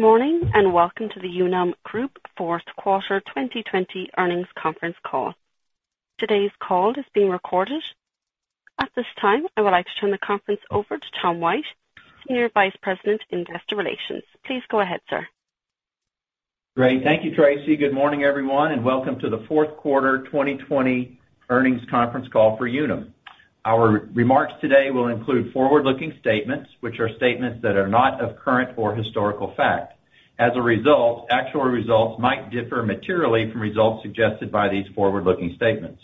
Good morning, and welcome to the Unum Group fourth quarter 2020 earnings conference call. Today's call is being recorded. At this time, I would like to turn the conference over to Tom White, Senior Vice President, Investor Relations. Please go ahead, sir. Great. Thank you, Tracy. Good morning, everyone, and welcome to the fourth quarter 2020 earnings conference call for Unum. Our remarks today will include forward-looking statements, which are statements that are not of current or historical fact. Actual results might differ materially from results suggested by these forward-looking statements.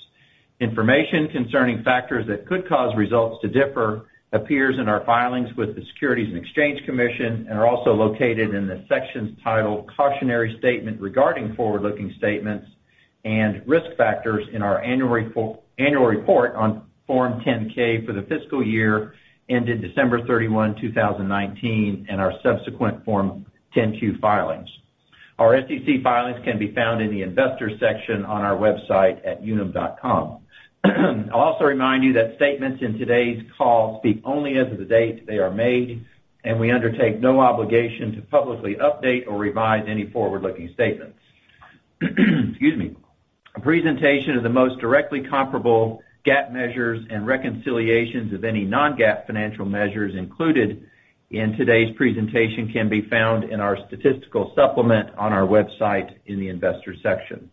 Information concerning factors that could cause results to differ appears in our filings with the Securities and Exchange Commission and are also located in the sections titled Cautionary Statement Regarding Forward-Looking Statements and Risk Factors in our annual report on Form 10-K for the fiscal year ended December 31, 2019, and our subsequent Form 10-Q filings. Our SEC filings can be found in the Investors section on our website at unum.com. I'll also remind you that statements in today's call speak only as of the date they are made, and we undertake no obligation to publicly update or revise any forward-looking statements. Excuse me. A presentation of the most directly comparable GAAP measures and reconciliations of any non-GAAP financial measures included in today's presentation can be found in our statistical supplement on our website in the Investors section.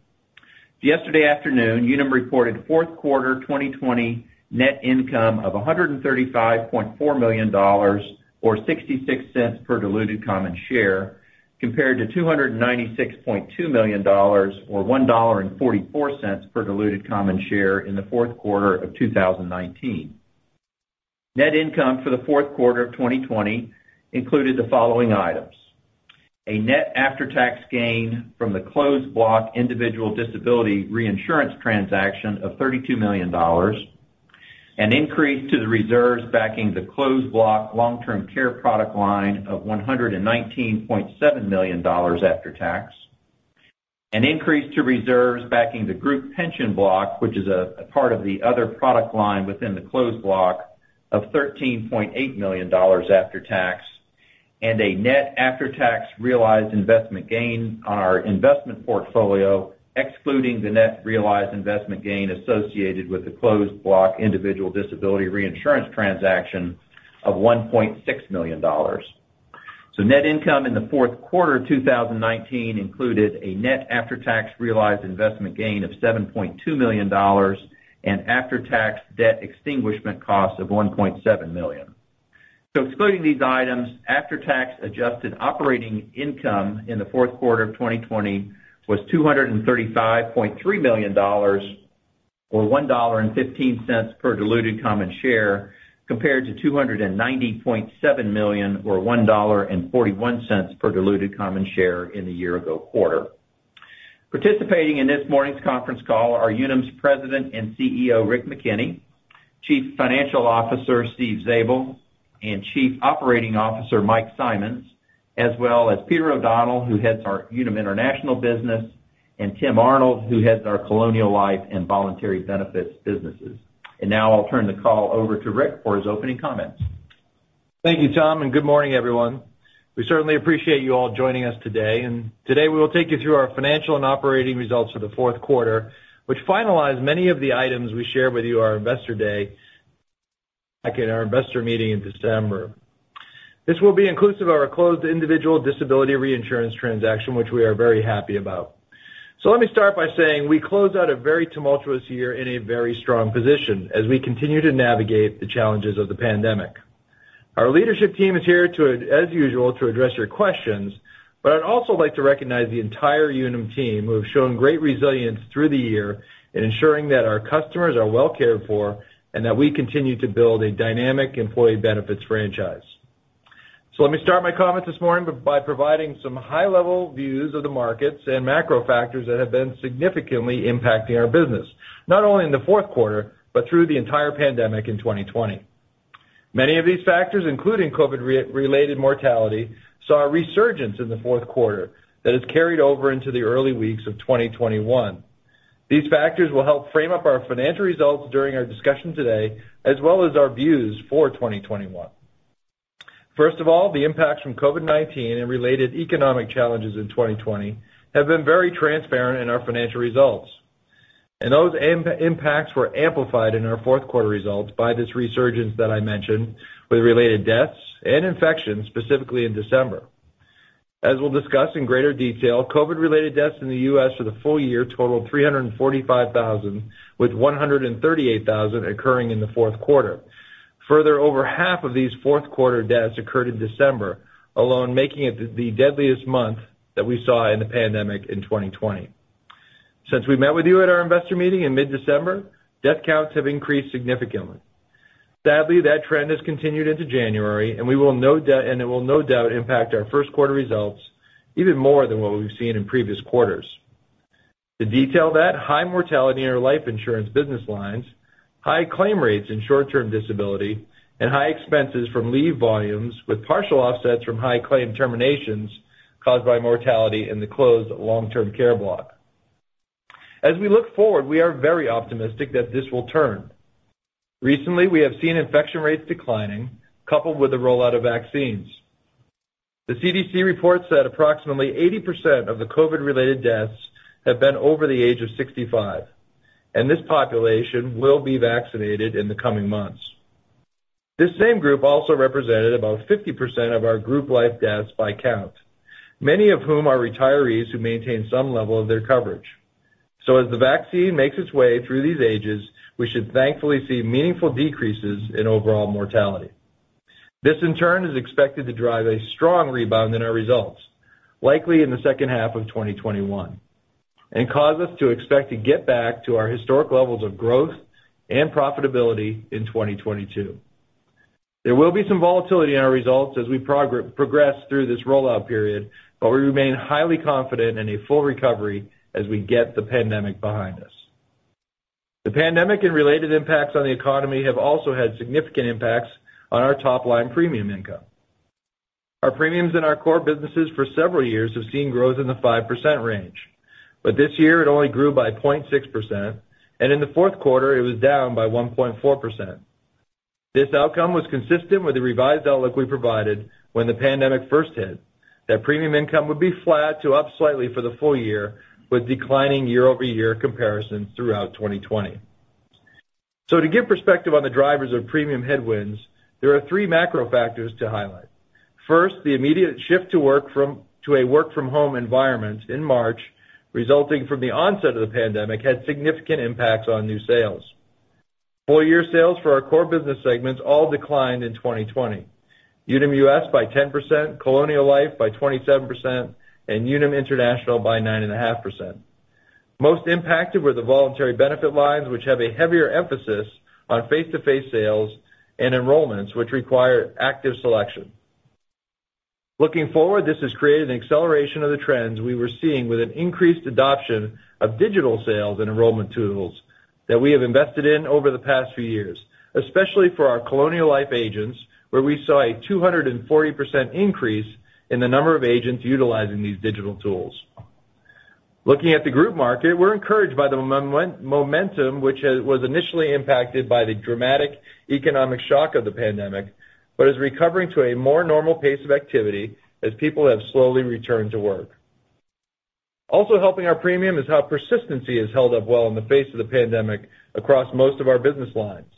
Yesterday afternoon, Unum reported fourth quarter 2020 net income of $135.4 million, or $0.66 per diluted common share, compared to $296.2 million or $1.44 per diluted common share in the fourth quarter of 2019. Net income for the fourth quarter of 2020 included the following items: A net after-tax gain from the closed block individual disability reinsurance transaction of $32 million, an increase to the reserves backing the closed block Long-Term Care product line of $119.7 million after tax, an increase to reserves backing the group pension block, which is a part of the other product line within the closed block of $13.8 million after tax, a net after-tax realized investment gain on our investment portfolio, excluding the net realized investment gain associated with the closed block individual disability reinsurance transaction of $1.6 million. Net income in the fourth quarter of 2019 included a net after-tax realized investment gain of $7.2 million after-tax debt extinguishment cost of $1.7 million. Excluding these items, after-tax adjusted operating income in the fourth quarter of 2020 was $235.3 million, or $1.15 per diluted common share, compared to $290.7 million or $1.41 per diluted common share in the year-ago quarter. Participating in this morning's conference call are Unum's President and CEO, Rick McKenney, Chief Financial Officer, Steve Zabel, and Chief Operating Officer, Mike Simonds, as well as Peter O'Donnell, who heads our Unum International business, and Tim Arnold, who heads our Colonial Life and Voluntary Benefits businesses. Now I'll turn the call over to Rick for his opening comments. Thank you, Tom, and good morning, everyone. We certainly appreciate you all joining us today. Today, we will take you through our financial and operating results for the fourth quarter, which finalized many of the items we shared with you on our investor day, in our investor meeting in December. This will be inclusive of our closed individual disability reinsurance transaction, which we are very happy about. Let me start by saying we closed out a very tumultuous year in a very strong position as we continue to navigate the challenges of the pandemic. Our leadership team is here, as usual, to address your questions, but I'd also like to recognize the entire Unum team, who have shown great resilience through the year in ensuring that our customers are well cared for and that we continue to build a dynamic employee benefits franchise. Let me start my comments this morning by providing some high-level views of the markets and macro factors that have been significantly impacting our business, not only in the fourth quarter, but through the entire pandemic in 2020. Many of these factors, including COVID-related mortality, saw a resurgence in the fourth quarter that has carried over into the early weeks of 2021. These factors will help frame up our financial results during our discussion today, as well as our views for 2021. First of all, the impacts from COVID-19 and related economic challenges in 2020 have been very transparent in our financial results. Those impacts were amplified in our fourth quarter results by this resurgence that I mentioned with related deaths and infections, specifically in December. As we'll discuss in greater detail, COVID-related deaths in the U.S. for the full year totaled 345,000, with 138,000 occurring in the fourth quarter. Further, over half of these fourth quarter deaths occurred in December alone, making it the deadliest month that we saw in the pandemic in 2020. Since we met with you at our investor meeting in mid-December, death counts have increased significantly. Sadly, that trend has continued into January, and it will no doubt impact our first quarter results even more than what we've seen in previous quarters. To detail that, high mortality in our life insurance business lines, high claim rates in short-term disability, and high expenses from leave volumes with partial offsets from high claim terminations caused by mortality in the closed long-term care block. As we look forward, we are very optimistic that this will turn. Recently, we have seen infection rates declining, coupled with the rollout of vaccines. The CDC reports that approximately 80% of the COVID-related deaths have been over the age of 65, and this population will be vaccinated in the coming months. This same group also represented about 50% of our group life deaths by count, many of whom are retirees who maintain some level of their coverage. As the vaccine makes its way through these ages, we should thankfully see meaningful decreases in overall mortality. This, in turn, is expected to drive a strong rebound in our results, likely in the second half of 2021, and cause us to expect to get back to our historic levels of growth and profitability in 2022. There will be some volatility in our results as we progress through this rollout period, but we remain highly confident in a full recovery as we get the pandemic behind us. The pandemic and related impacts on the economy have also had significant impacts on our top-line premium income. Our premiums in our core businesses for several years have seen growth in the 5% range. This year, it only grew by 0.6%, and in the fourth quarter, it was down by 1.4%. This outcome was consistent with the revised outlook we provided when the pandemic first hit, that premium income would be flat to up slightly for the full year, with declining year-over-year comparisons throughout 2020. To give perspective on the drivers of premium headwinds, there are three macro factors to highlight. First, the immediate shift to a work-from-home environment in March, resulting from the onset of the pandemic, had significant impacts on new sales. Full-year sales for our core business segments all declined in 2020, Unum US by 10%, Colonial Life by 27%, and Unum International by 9.5%. Most impacted were the voluntary benefit lines, which have a heavier emphasis on face-to-face sales and enrollments which require active selection. Looking forward, this has created an acceleration of the trends we were seeing with an increased adoption of digital sales and enrollment tools that we have invested in over the past few years, especially for our Colonial Life agents, where we saw a 240% increase in the number of agents utilizing these digital tools. Looking at the group market, we're encouraged by the momentum, which was initially impacted by the dramatic economic shock of the pandemic, but is recovering to a more normal pace of activity as people have slowly returned to work. Also helping our premium is how persistency has held up well in the face of the pandemic across most of our business lines.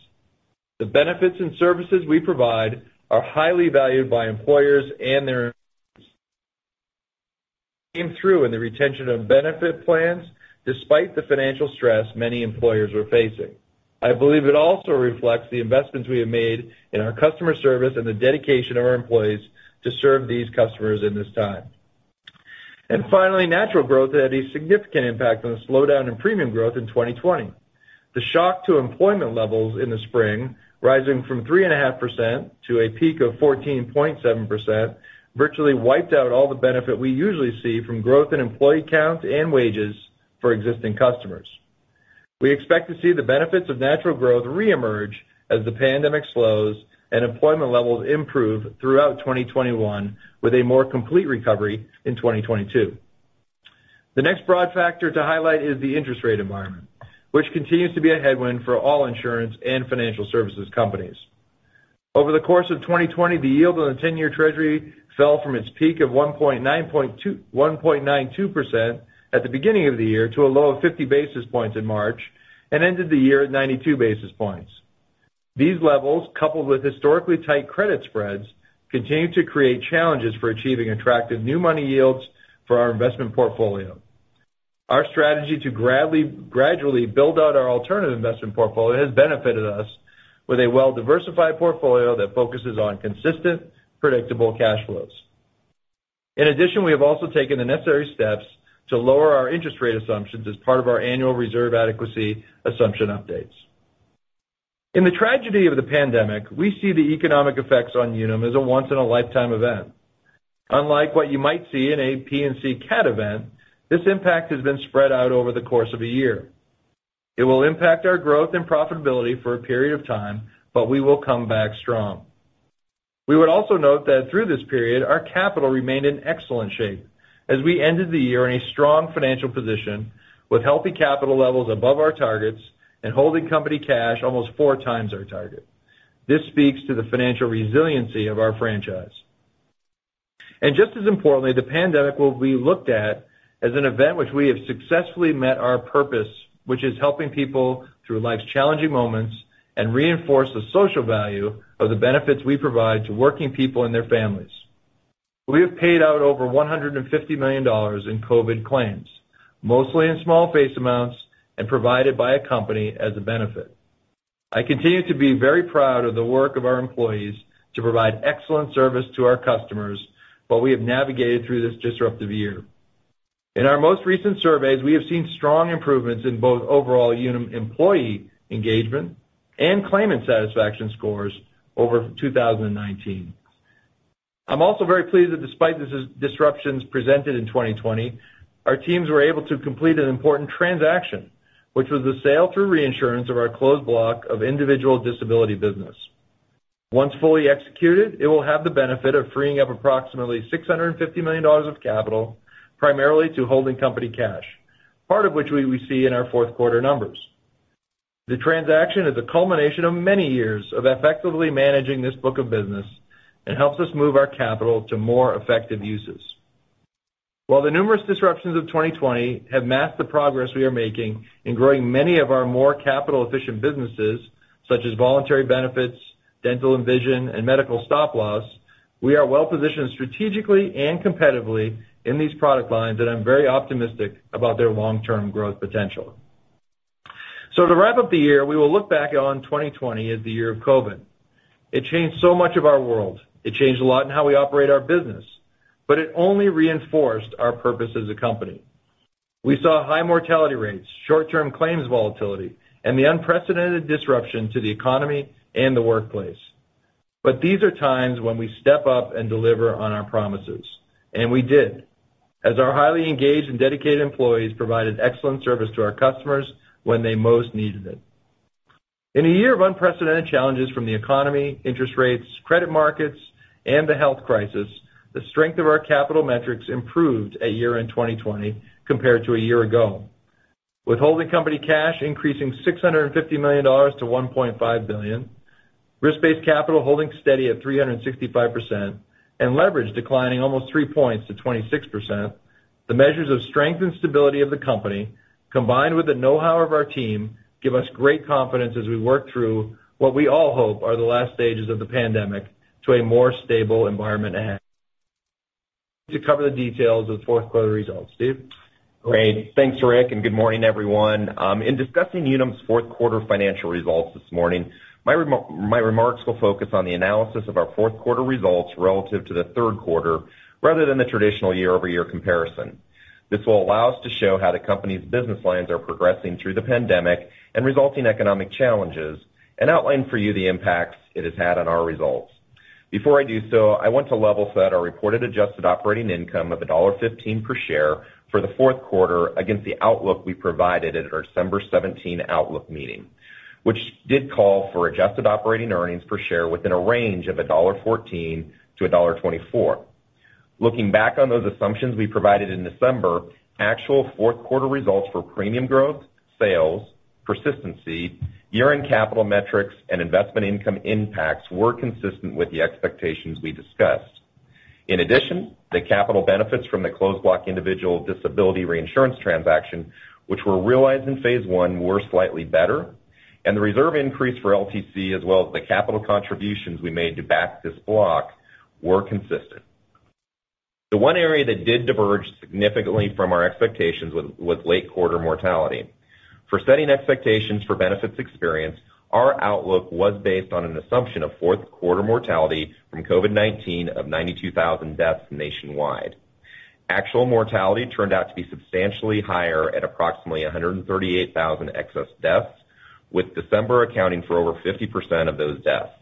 The benefits and services we provide are highly valued by employers and their came through in the retention of benefit plans, despite the financial stress many employers are facing. I believe it also reflects the investments we have made in our customer service and the dedication of our employees to serve these customers in this time. Finally, natural growth had a significant impact on the slowdown in premium growth in 2020. The shock to employment levels in the spring, rising from 3.5% to a peak of 14.7%, virtually wiped out all the benefit we usually see from growth in employee count and wages for existing customers. We expect to see the benefits of natural growth re-emerge as the pandemic slows and employment levels improve throughout 2021, with a more complete recovery in 2022. The next broad factor to highlight is the interest rate environment, which continues to be a headwind for all insurance and financial services companies. Over the course of 2020, the yield on the 10-year Treasury fell from its peak of 1.92% at the beginning of the year to a low of 50 basis points in March, and ended the year at 92 basis points. These levels, coupled with historically tight credit spreads, continue to create challenges for achieving attractive new money yields for our investment portfolio. Our strategy to gradually build out our alternative investment portfolio has benefited us with a well-diversified portfolio that focuses on consistent, predictable cash flows. We have also taken the necessary steps to lower our interest rate assumptions as part of our annual reserve adequacy assumption updates. In the tragedy of the pandemic, we see the economic effects on Unum as a once-in-a-lifetime event. Unlike what you might see in a P&C cat event, this impact has been spread out over the course of a year. It will impact our growth and profitability for a period of time, but we will come back strong. We would also note that through this period, our capital remained in excellent shape as we ended the year in a strong financial position with healthy capital levels above our targets and holding company cash almost four times our target. This speaks to the financial resiliency of our franchise. Just as importantly, the pandemic will be looked at as an event which we have successfully met our purpose, which is helping people through life's challenging moments and reinforce the social value of the benefits we provide to working people and their families. We have paid out over $150 million in COVID claims, mostly in small face amounts and provided by a company as a benefit. I continue to be very proud of the work of our employees to provide excellent service to our customers while we have navigated through this disruptive year. In our most recent surveys, we have seen strong improvements in both overall Unum employee engagement and claimant satisfaction scores over 2019. I'm also very pleased that despite the disruptions presented in 2020, our teams were able to complete an important transaction, which was the sale through reinsurance of our closed block of individual disability business. Once fully executed, it will have the benefit of freeing up approximately $650 million of capital, primarily to holding company cash, part of which we will see in our fourth quarter numbers. The transaction is a culmination of many years of effectively managing this book of business and helps us move our capital to more effective uses. While the numerous disruptions of 2020 have masked the progress we are making in growing many of our more capital-efficient businesses, such as Voluntary Benefits, dental and vision, and medical stop-loss, we are well-positioned strategically and competitively in these product lines, and I'm very optimistic about their long-term growth potential. To wrap up the year, we will look back on 2020 as the year of COVID. It changed so much of our world. It changed a lot in how we operate our business. It only reinforced our purpose as a company. We saw high mortality rates, short-term claims volatility, and the unprecedented disruption to the economy and the workplace. These are times when we step up and deliver on our promises, and we did, as our highly engaged and dedicated employees provided excellent service to our customers when they most needed it. In a year of unprecedented challenges from the economy, interest rates, credit markets, and the health crisis, the strength of our capital metrics improved at year-end 2020 compared to a year ago. With holding company cash increasing $650 million to $1.5 billion, risk-based capital holding steady at 365%, and leverage declining almost three points to 26%, the measures of strength and stability of the company, combined with the know-how of our team, give us great confidence as we work through what we all hope are the last stages of the pandemic to a more stable environment ahead. To cover the details of fourth quarter results, Steve? Great. Thanks, Rick, and good morning, everyone. In discussing Unum's fourth quarter financial results this morning, my remarks will focus on the analysis of our fourth quarter results relative to the third quarter, rather than the traditional year-over-year comparison. This will allow us to show how the company's business lines are progressing through the pandemic and resulting economic challenges and outline for you the impacts it has had on our results. Before I do so, I want to level set our reported adjusted operating income of $1.15 per share for the fourth quarter against the outlook we provided at our December 17 outlook meeting, which did call for adjusted operating earnings per share within a range of $1.14 to $1.24. Looking back on those assumptions we provided in December, actual fourth quarter results for premium growth, sales, persistency, year-end capital metrics, and investment income impacts were consistent with the expectations we discussed. In addition, the capital benefits from the closed block individual disability reinsurance transaction, which were realized in phase one, were slightly better, and the reserve increase for LTC as well as the capital contributions we made to back this block were consistent. The one area that did diverge significantly from our expectations was late quarter mortality. For setting expectations for benefits experienced, our outlook was based on an assumption of fourth quarter mortality from COVID-19 of 92,000 deaths nationwide. Actual mortality turned out to be substantially higher at approximately 138,000 excess deaths, with December accounting for over 50% of those deaths.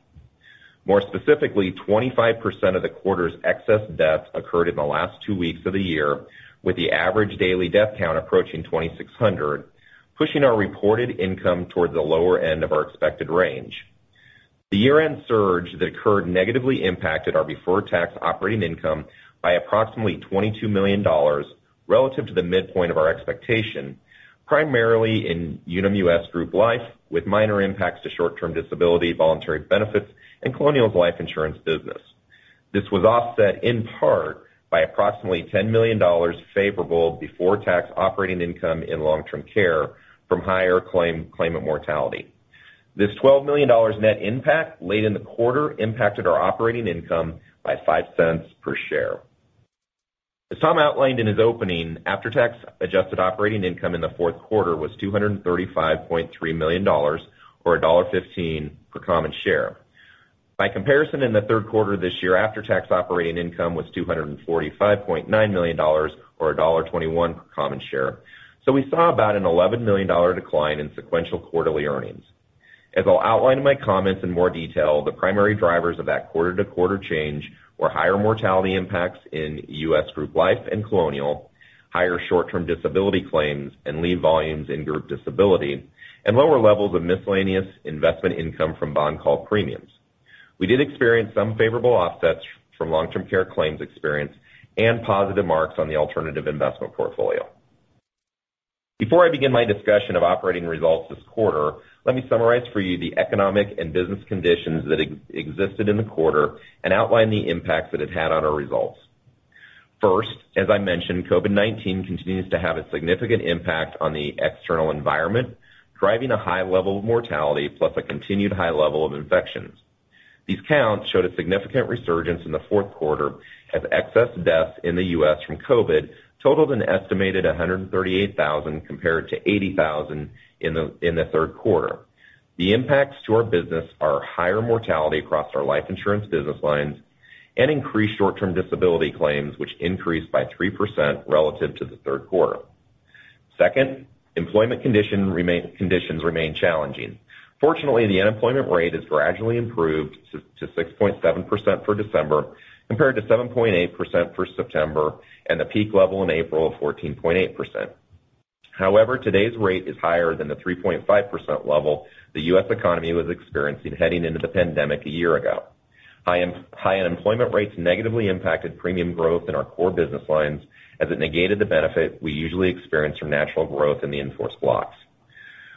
More specifically, 25% of the quarter's excess deaths occurred in the last two weeks of the year, with the average daily death count approaching 2,600, pushing our reported income towards the lower end of our expected range. The year-end surge that occurred negatively impacted our before-tax operating income by approximately $22 million relative to the midpoint of our expectation, primarily in Unum US Group Life, with minor impacts to short-term disability, Voluntary Benefits, and Colonial Life's life insurance business. This was offset in part by approximately $10 million favorable before-tax operating income in long-term care from higher claimant mortality. This $12 million net impact late in the quarter impacted our operating income by $0.05 per share. As Tom outlined in his opening, after-tax adjusted operating income in the fourth quarter was $235.3 million, or $1.15 per common share. By comparison, in the third quarter this year, after-tax operating income was $245.9 million, or $1.21 per common share. We saw about an $11 million decline in sequential quarterly earnings. As I'll outline in my comments in more detail, the primary drivers of that quarter-to-quarter change were higher mortality impacts in US Group Life and Colonial Life, higher short-term disability claims and leave volumes in group disability, and lower levels of miscellaneous investment income from bond call premiums. We did experience some favorable offsets from long-term care claims experience and positive marks on the alternative investment portfolio. Before I begin my discussion of operating results this quarter, let me summarize for you the economic and business conditions that existed in the quarter and outline the impacts that it had on our results. First, as I mentioned, COVID-19 continues to have a significant impact on the external environment, driving a high level of mortality plus a continued high level of infections. These counts showed a significant resurgence in the fourth quarter as excess deaths in the U.S. from COVID totaled an estimated 138,000 compared to 80,000 in the third quarter. The impacts to our business are higher mortality across our life insurance business lines and increased short-term disability claims, which increased by 3% relative to the third quarter. Second, employment conditions remain challenging. Fortunately, the unemployment rate has gradually improved to 6.7% for December compared to 7.8% for September and the peak level in April of 14.8%. However, today's rate is higher than the 3.5% level the U.S. economy was experiencing heading into the pandemic a year ago. High unemployment rates negatively impacted premium growth in our core business lines as it negated the benefit we usually experience from natural growth in the in-force blocks.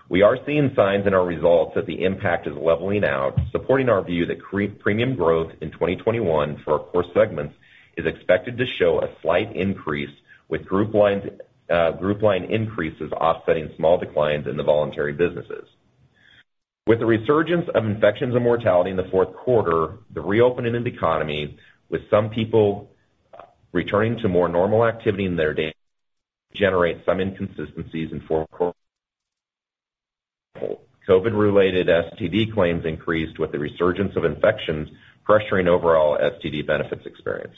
We are seeing signs in our results that the impact is leveling out, supporting our view that premium growth in 2021 for our core segments is expected to show a slight increase with group line increases offsetting small declines in the voluntary businesses. With the resurgence of infections and mortality in the fourth quarter, the reopening of the economy, with some people returning to more normal activity in their day, generate some inconsistencies [in forward]. COVID-related STD claims increased with the resurgence of infections, pressuring overall STD benefits experience.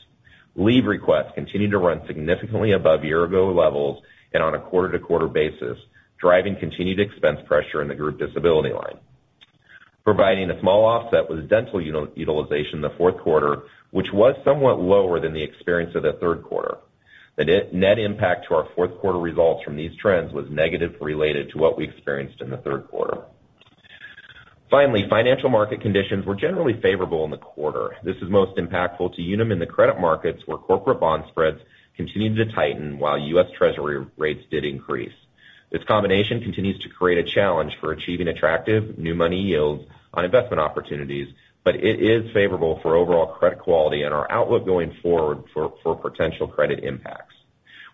Leave requests continued to run significantly above year-ago levels and on a quarter-to-quarter basis, driving continued expense pressure in the group disability line. Providing a small offset was dental utilization in the fourth quarter, which was somewhat lower than the experience of the third quarter. The net impact to our fourth quarter results from these trends was negative related to what we experienced in the third quarter. Finally, financial market conditions were generally favorable in the quarter. This is most impactful to Unum in the credit markets, where corporate bond spreads continued to tighten while U.S. Treasury rates did increase. This combination continues to create a challenge for achieving attractive new money yields on investment opportunities, but it is favorable for overall credit quality and our outlook going forward for potential credit impacts.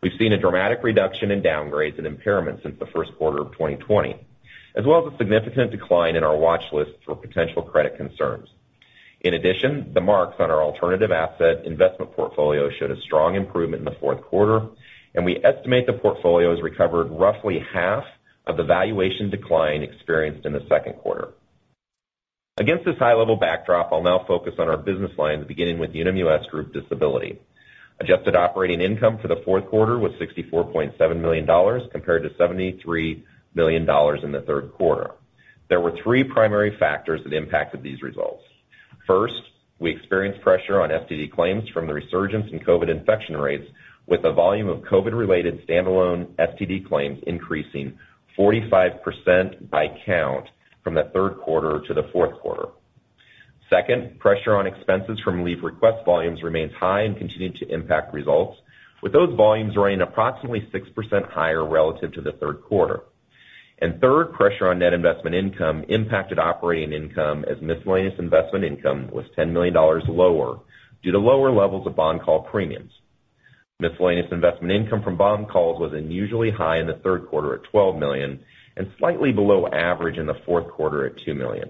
We've seen a dramatic reduction in downgrades and impairments since the first quarter of 2020, as well as a significant decline in our watch list for potential credit concerns. The marks on our alternative asset investment portfolio showed a strong improvement in the fourth quarter, and we estimate the portfolio has recovered roughly half of the valuation decline experienced in the second quarter. Against this high-level backdrop, I'll now focus on our business lines, beginning with Unum US Group Disability. Adjusted operating income for the fourth quarter was $64.7 million, compared to $73 million in the third quarter. There were three primary factors that impacted these results. First, we experienced pressure on STD claims from the resurgence in COVID infection rates, with the volume of COVID-related standalone STD claims increasing 45% by count from the third quarter to the fourth quarter. Second, pressure on expenses from leave request volumes remains high and continued to impact results, with those volumes running approximately 6% higher relative to the third quarter. Third, pressure on net investment income impacted operating income as miscellaneous investment income was $10 million lower due to lower levels of bond call premiums. Miscellaneous investment income from bond calls was unusually high in the third quarter at $12 million and slightly below average in the fourth quarter at $2 million.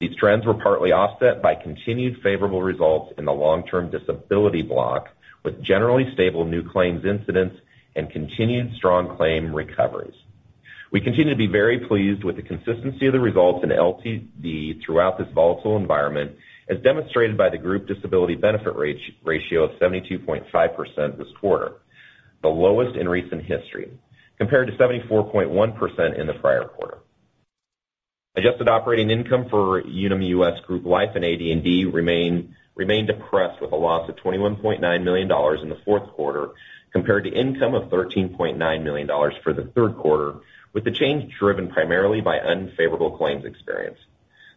These trends were partly offset by continued favorable results in the long-term disability block, with generally stable new claims incidents and continued strong claim recoveries. We continue to be very pleased with the consistency of the results in LTD throughout this volatile environment, as demonstrated by the group disability benefit ratio of 72.5% this quarter, the lowest in recent history, compared to 74.1% in the prior quarter. Adjusted operating income for Unum US Group Life and AD&D remained depressed with a loss of $21.9 million in the fourth quarter compared to income of $13.9 million for the third quarter, with the change driven primarily by unfavorable claims experience.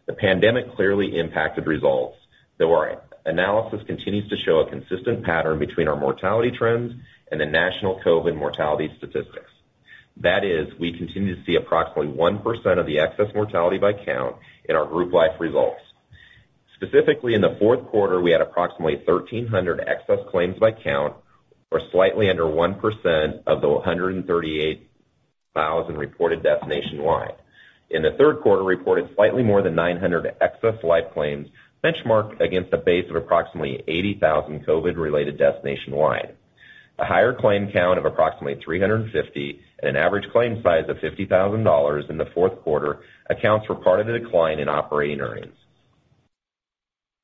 The pandemic clearly impacted results, though our analysis continues to show a consistent pattern between our mortality trends and the national COVID mortality statistics. That is, we continue to see approximately 1% of the excess mortality by count in our Group Life results. Specifically, in the fourth quarter, we had approximately 1,300 excess claims by count or slightly under 1% of the 138,000 reported deaths nationwide. In the third quarter, reported slightly more than 900 excess life claims benchmarked against a base of approximately 80,000 COVID-related deaths nationwide. A higher claim count of approximately 350 and an average claim size of $50,000 in the fourth quarter accounts for part of the decline in operating earnings.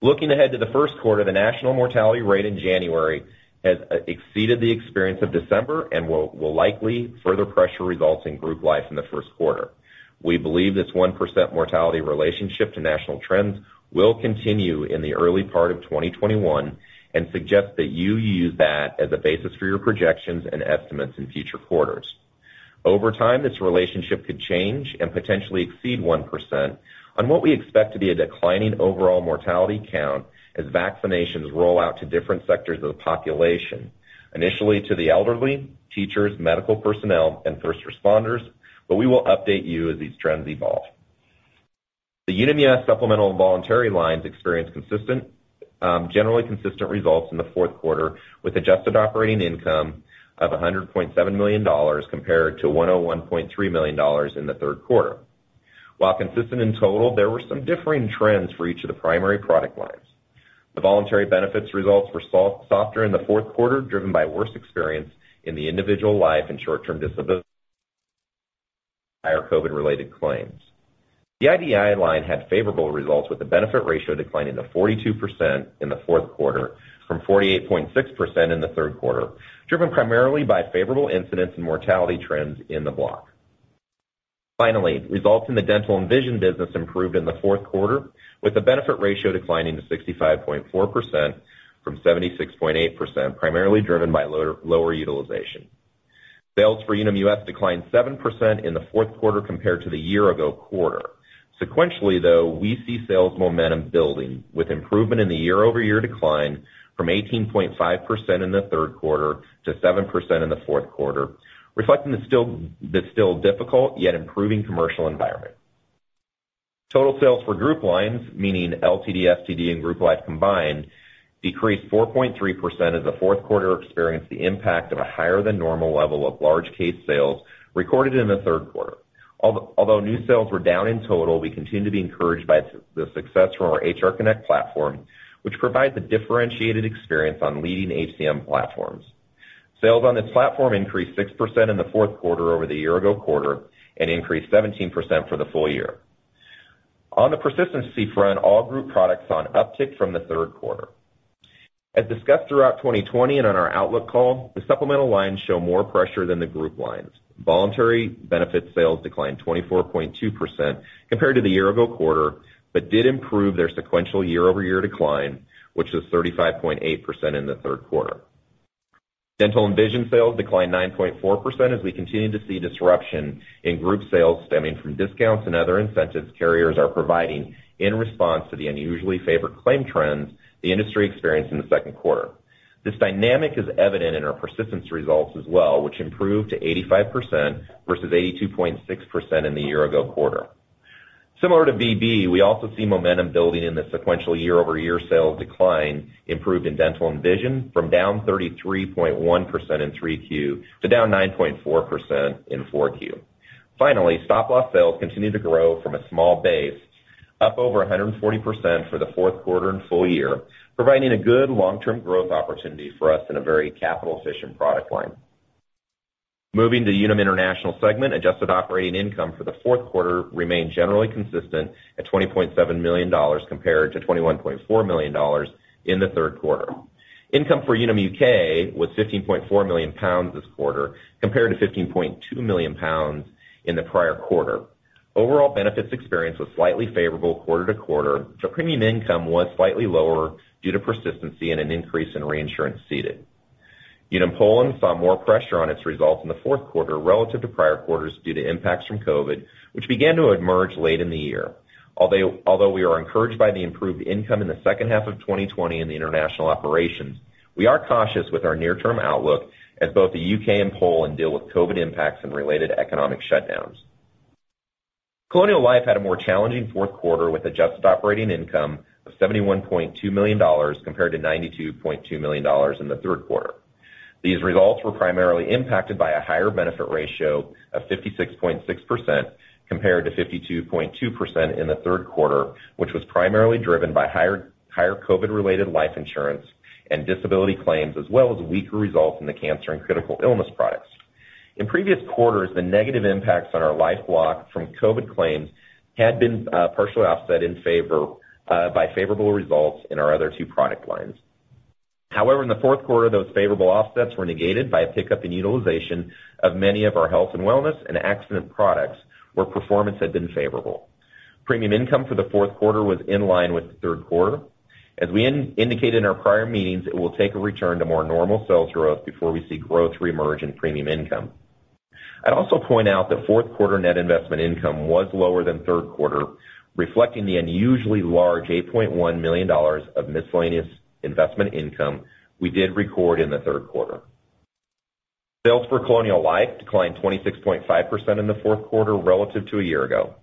Looking ahead to the first quarter, the national mortality rate in January has exceeded the experience of December and will likely further pressure results in Group Life in the first quarter. We believe this 1% mortality relationship to national trends will continue in the early part of 2021 and suggest that you use that as a basis for your projections and estimates in future quarters. Over time, this relationship could change and potentially exceed 1% on what we expect to be a declining overall mortality count as vaccinations roll out to different sectors of the population, initially to the elderly, teachers, medical personnel, and first responders, but we will update you as these trends evolve. The Unum US Supplemental and Voluntary lines experienced generally consistent results in the fourth quarter with adjusted operating income of $100.7 million compared to $101.3 million in the third quarter. While consistent in total, there were some differing trends for each of the primary product lines. The Voluntary Benefits results were softer in the fourth quarter, driven by worse experience in the individual life and short-term disability higher COVID-related claims. The IDI line had favorable results with the benefit ratio declining to 42% in the fourth quarter from 48.6% in the third quarter, driven primarily by favorable incidents and mortality trends in the block. Finally, results in the dental and vision business improved in the fourth quarter, with the benefit ratio declining to 65.4% from 76.8%, primarily driven by lower utilization. Sales for Unum US declined 7% in the fourth quarter compared to the year-ago quarter. Sequentially, though, we see sales momentum building, with improvement in the year-over-year decline from 18.5% in the third quarter to 7% in the fourth quarter, reflecting the still difficult yet improving commercial environment. Total sales for Group lines, meaning LTD/STD and Group Life combined, decreased 4.3% as the fourth quarter experienced the impact of a higher than normal level of large case sales recorded in the third quarter. Although new sales were down in total, we continue to be encouraged by the success from our Unum HR Connect platform, which provides a differentiated experience on leading HCM platforms. Sales on this platform increased 6% in the fourth quarter over the year-ago quarter and increased 17% for the full year. On the persistency front, all group products saw an uptick from the third quarter. As discussed throughout 2020 and on our outlook call, the Supplemental lines show more pressure than the Group lines. Voluntary Benefit sales declined 24.2% compared to the year-ago quarter, but did improve their sequential year-over-year decline, which was 35.8% in the third quarter. Dental and vision sales declined 9.4% as we continue to see disruption in group sales stemming from discounts and other incentives carriers are providing in response to the unusually favored claim trends the industry experienced in the second quarter. This dynamic is evident in our persistence results as well, which improved to 85% versus 82.6% in the year-ago quarter. Similar to VB, we also see momentum building in the sequential year-over-year sales decline improved in dental and vision from down 33.1% in Q3 to down 9.4% in Q4. stop-loss sales continued to grow from a small base, up over 140% for the fourth quarter and full year, providing a good long-term growth opportunity for us in a very capital-efficient product line. Moving to Unum International segment, adjusted operating income for the fourth quarter remained generally consistent at $20.7 million compared to $21.4 million in the third quarter. Income for Unum UK was £15.4 million this quarter, compared to £15.2 million in the prior quarter. Overall benefits experience was slightly favorable quarter-to-quarter, premium income was slightly lower due to persistency and an increase in reinsurance ceded. Unum Poland saw more pressure on its results in the fourth quarter relative to prior quarters due to impacts from COVID, which began to emerge late in the year. we are encouraged by the improved income in the second half of 2020 in the international operations, we are cautious with our near-term outlook as both the U.K. and Poland deal with COVID impacts and related economic shutdowns. Colonial Life had a more challenging fourth quarter with adjusted operating income of $71.2 million, compared to $92.2 million in the third quarter. These results were primarily impacted by a higher benefit ratio of 56.6% compared to 52.2% in the third quarter, which was primarily driven by higher COVID-related life insurance and disability claims, as well as weaker results in the cancer and critical illness products. In previous quarters, the negative impacts on our life block from COVID claims had been partially offset by favorable results in our other two product lines. in the fourth quarter, those favorable offsets were negated by a pickup in utilization of many of our health and wellness and accident products, where performance had been favorable. Premium income for the fourth quarter was in line with the third quarter. As we indicated in our prior meetings, it will take a return to more normal sales growth before we see growth reemerge in premium income. I'd also point out that fourth quarter net investment income was lower than third quarter, reflecting the unusually large $8.1 million of miscellaneous investment income we did record in the third quarter. Sales for Colonial Life declined 26.5% in the fourth quarter relative to a year ago.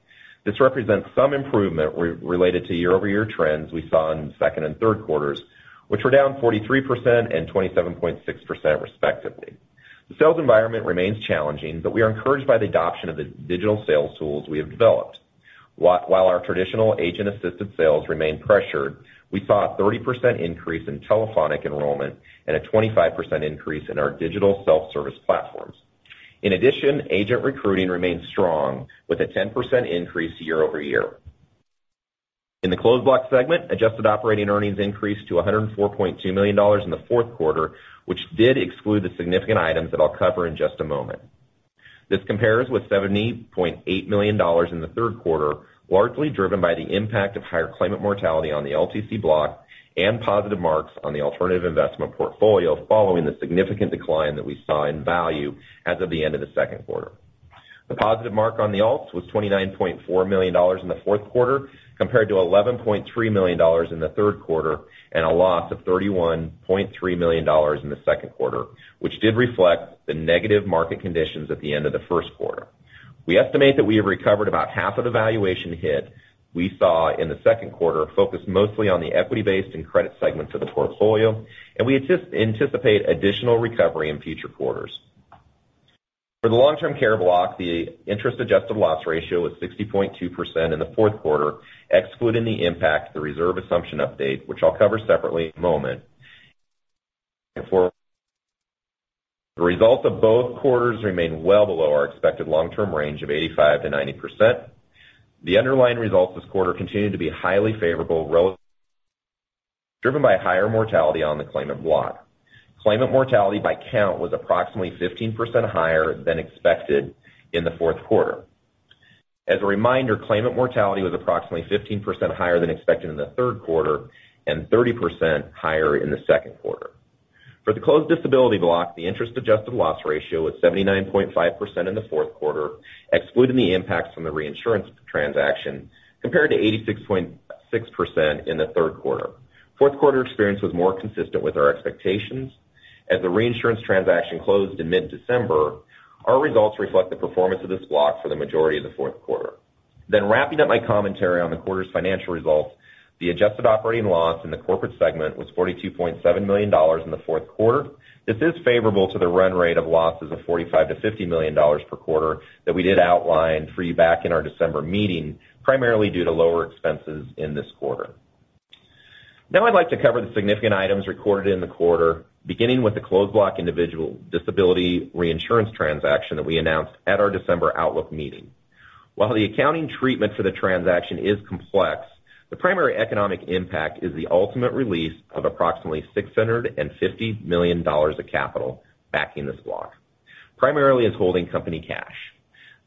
This represents some improvement related to year-over-year trends we saw in the second and third quarters, which were down 43% and 27.6% respectively. the sales environment remains challenging, we are encouraged by the adoption of the digital sales tools we have developed. While our traditional agent-assisted sales remain pressured, we saw a 30% increase in telephonic enrollment and a 25% increase in our digital self-service platforms. In addition, agent recruiting remains strong with a 10% increase year-over-year. In the Closed Block segment, adjusted operating earnings increased to $104.2 million in the fourth quarter, which did exclude the significant items that I'll cover in just a moment. This compares with $70.8 million in the third quarter, largely driven by the impact of higher claimant mortality on the LTC Block and positive marks on the alternative investment portfolio following the significant decline that we saw in value as of the end of the second quarter. The positive mark on the alts was $29.4 million in the fourth quarter, compared to $11.3 million in the third quarter, and a loss of $31.3 million in the second quarter, which did reflect the negative market conditions at the end of the first quarter. We estimate that we have recovered about half of the valuation hit we saw in the second quarter, focused mostly on the equity-based and credit segment of the portfolio, and we anticipate additional recovery in future quarters. For the long-term care block, the interest-adjusted loss ratio was 60.2% in the fourth quarter, excluding the impact of the reserve assumption update, which I will cover separately in a moment. The results of both quarters remain well below our expected long-term range of 85%-90%. The underlying results this quarter continued to be highly favorable [relative] Driven by higher mortality on the claimant block. Claimant mortality by count was approximately 15% higher than expected in the fourth quarter. As a reminder, claimant mortality was approximately 15% higher than expected in the third quarter and 30% higher in the second quarter. For the closed disability block, the interest-adjusted loss ratio was 79.5% in the fourth quarter, excluding the impacts from the reinsurance transaction, compared to 86.6% in the third quarter. Fourth quarter experience was more consistent with our expectations. As the reinsurance transaction closed in mid-December, our results reflect the performance of this block for the majority of the fourth quarter. Wrapping up my commentary on the quarter's financial results, the adjusted operating loss in the corporate segment was $42.7 million in the fourth quarter. This is favorable to the run rate of losses of $45 million-$50 million per quarter that we did outline for you back in our December meeting, primarily due to lower expenses in this quarter. I would like to cover the significant items recorded in the quarter, beginning with the closed block individual disability reinsurance transaction that we announced at our December outlook meeting. While the accounting treatment for the transaction is complex, the primary economic impact is the ultimate release of approximately $650 million of capital backing this block, primarily as holding company cash.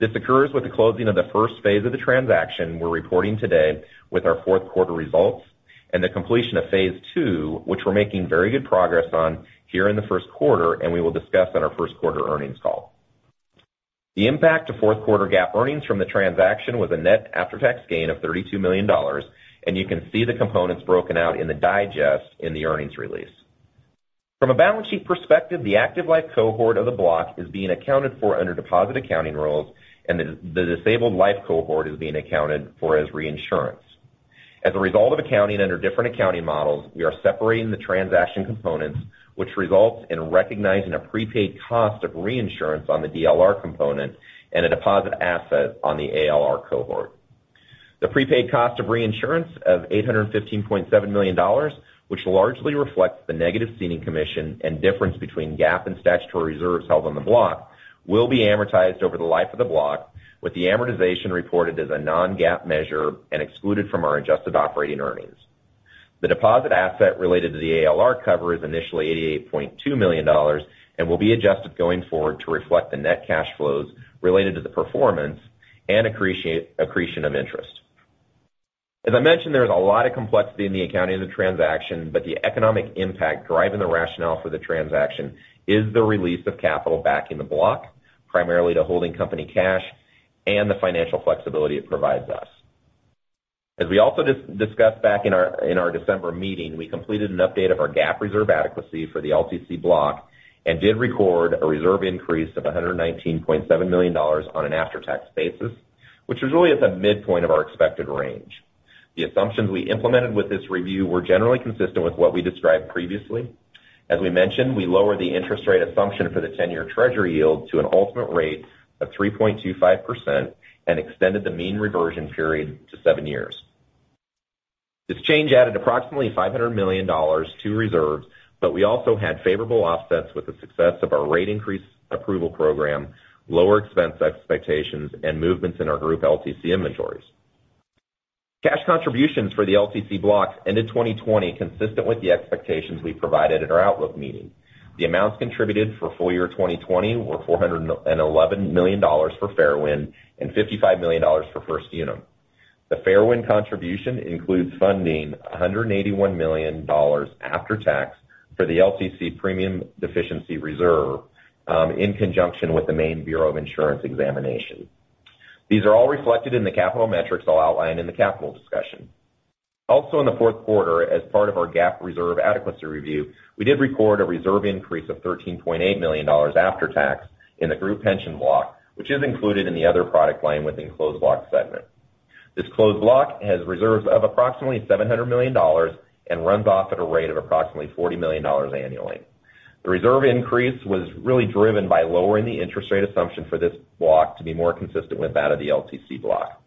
This occurs with the closing of the first phase of the transaction we are reporting today with our fourth quarter results and the completion of phase 2, which we are making very good progress on here in the first quarter, and we will discuss on our first quarter earnings call. The impact to fourth quarter GAAP earnings from the transaction was a net after-tax gain of $32 million. You can see the components broken out in the digest in the earnings release. From a balance sheet perspective, the active life cohort of the block is being accounted for under deposit accounting rules, and the disabled life cohort is being accounted for as reinsurance. As a result of accounting under different accounting models, we are separating the transaction components, which results in recognizing a prepaid cost of reinsurance on the DLR component and a deposit asset on the ALR cohort. The prepaid cost of reinsurance of $815.7 million, which largely reflects the negative ceding commission and difference between GAAP and statutory reserves held on the block, will be amortized over the life of the block, with the amortization reported as a non-GAAP measure and excluded from our adjusted operating earnings. The deposit asset related to the ALR cover is initially $88.2 million and will be adjusted going forward to reflect the net cash flows related to the performance and accretion of interest. As I mentioned, there is a lot of complexity in the accounting of the transaction, but the economic impact driving the rationale for the transaction is the release of capital back in the block, primarily to holding company cash and the financial flexibility it provides us. As we also discussed back in our December meeting, we completed an update of our GAAP reserve adequacy for the LTC block and did record a reserve increase of $119.7 million on an after-tax basis, which was really at the midpoint of our expected range. The assumptions we implemented with this review were generally consistent with what we described previously. As we mentioned, we lowered the interest rate assumption for the 10-year Treasury yield to an ultimate rate of 3.25% and extended the mean reversion period to seven years. This change added approximately $500 million to reserves, but we also had favorable offsets with the success of our rate increase approval program, lower expense expectations, and movements in our group LTC inventories. Cash contributions for the LTC block ended 2020 consistent with the expectations we provided at our outlook meeting. The amounts contributed for full year 2020 were $411 million for Fairwind and $55 million for First Unum. The Fairwind contribution includes funding $181 million after tax for the LTC premium deficiency reserve in conjunction with the Maine Bureau of Insurance Examination. These are all reflected in the capital metrics I'll outline in the capital discussion. Also in the fourth quarter, as part of our GAAP reserve adequacy review, we did record a reserve increase of $13.8 million after tax in the group pension block, which is included in the other product line within closed block segment. This closed block has reserves of approximately $700 million and runs off at a rate of approximately $40 million annually. The reserve increase was really driven by lowering the interest rate assumption for this block to be more consistent with that of the LTC block.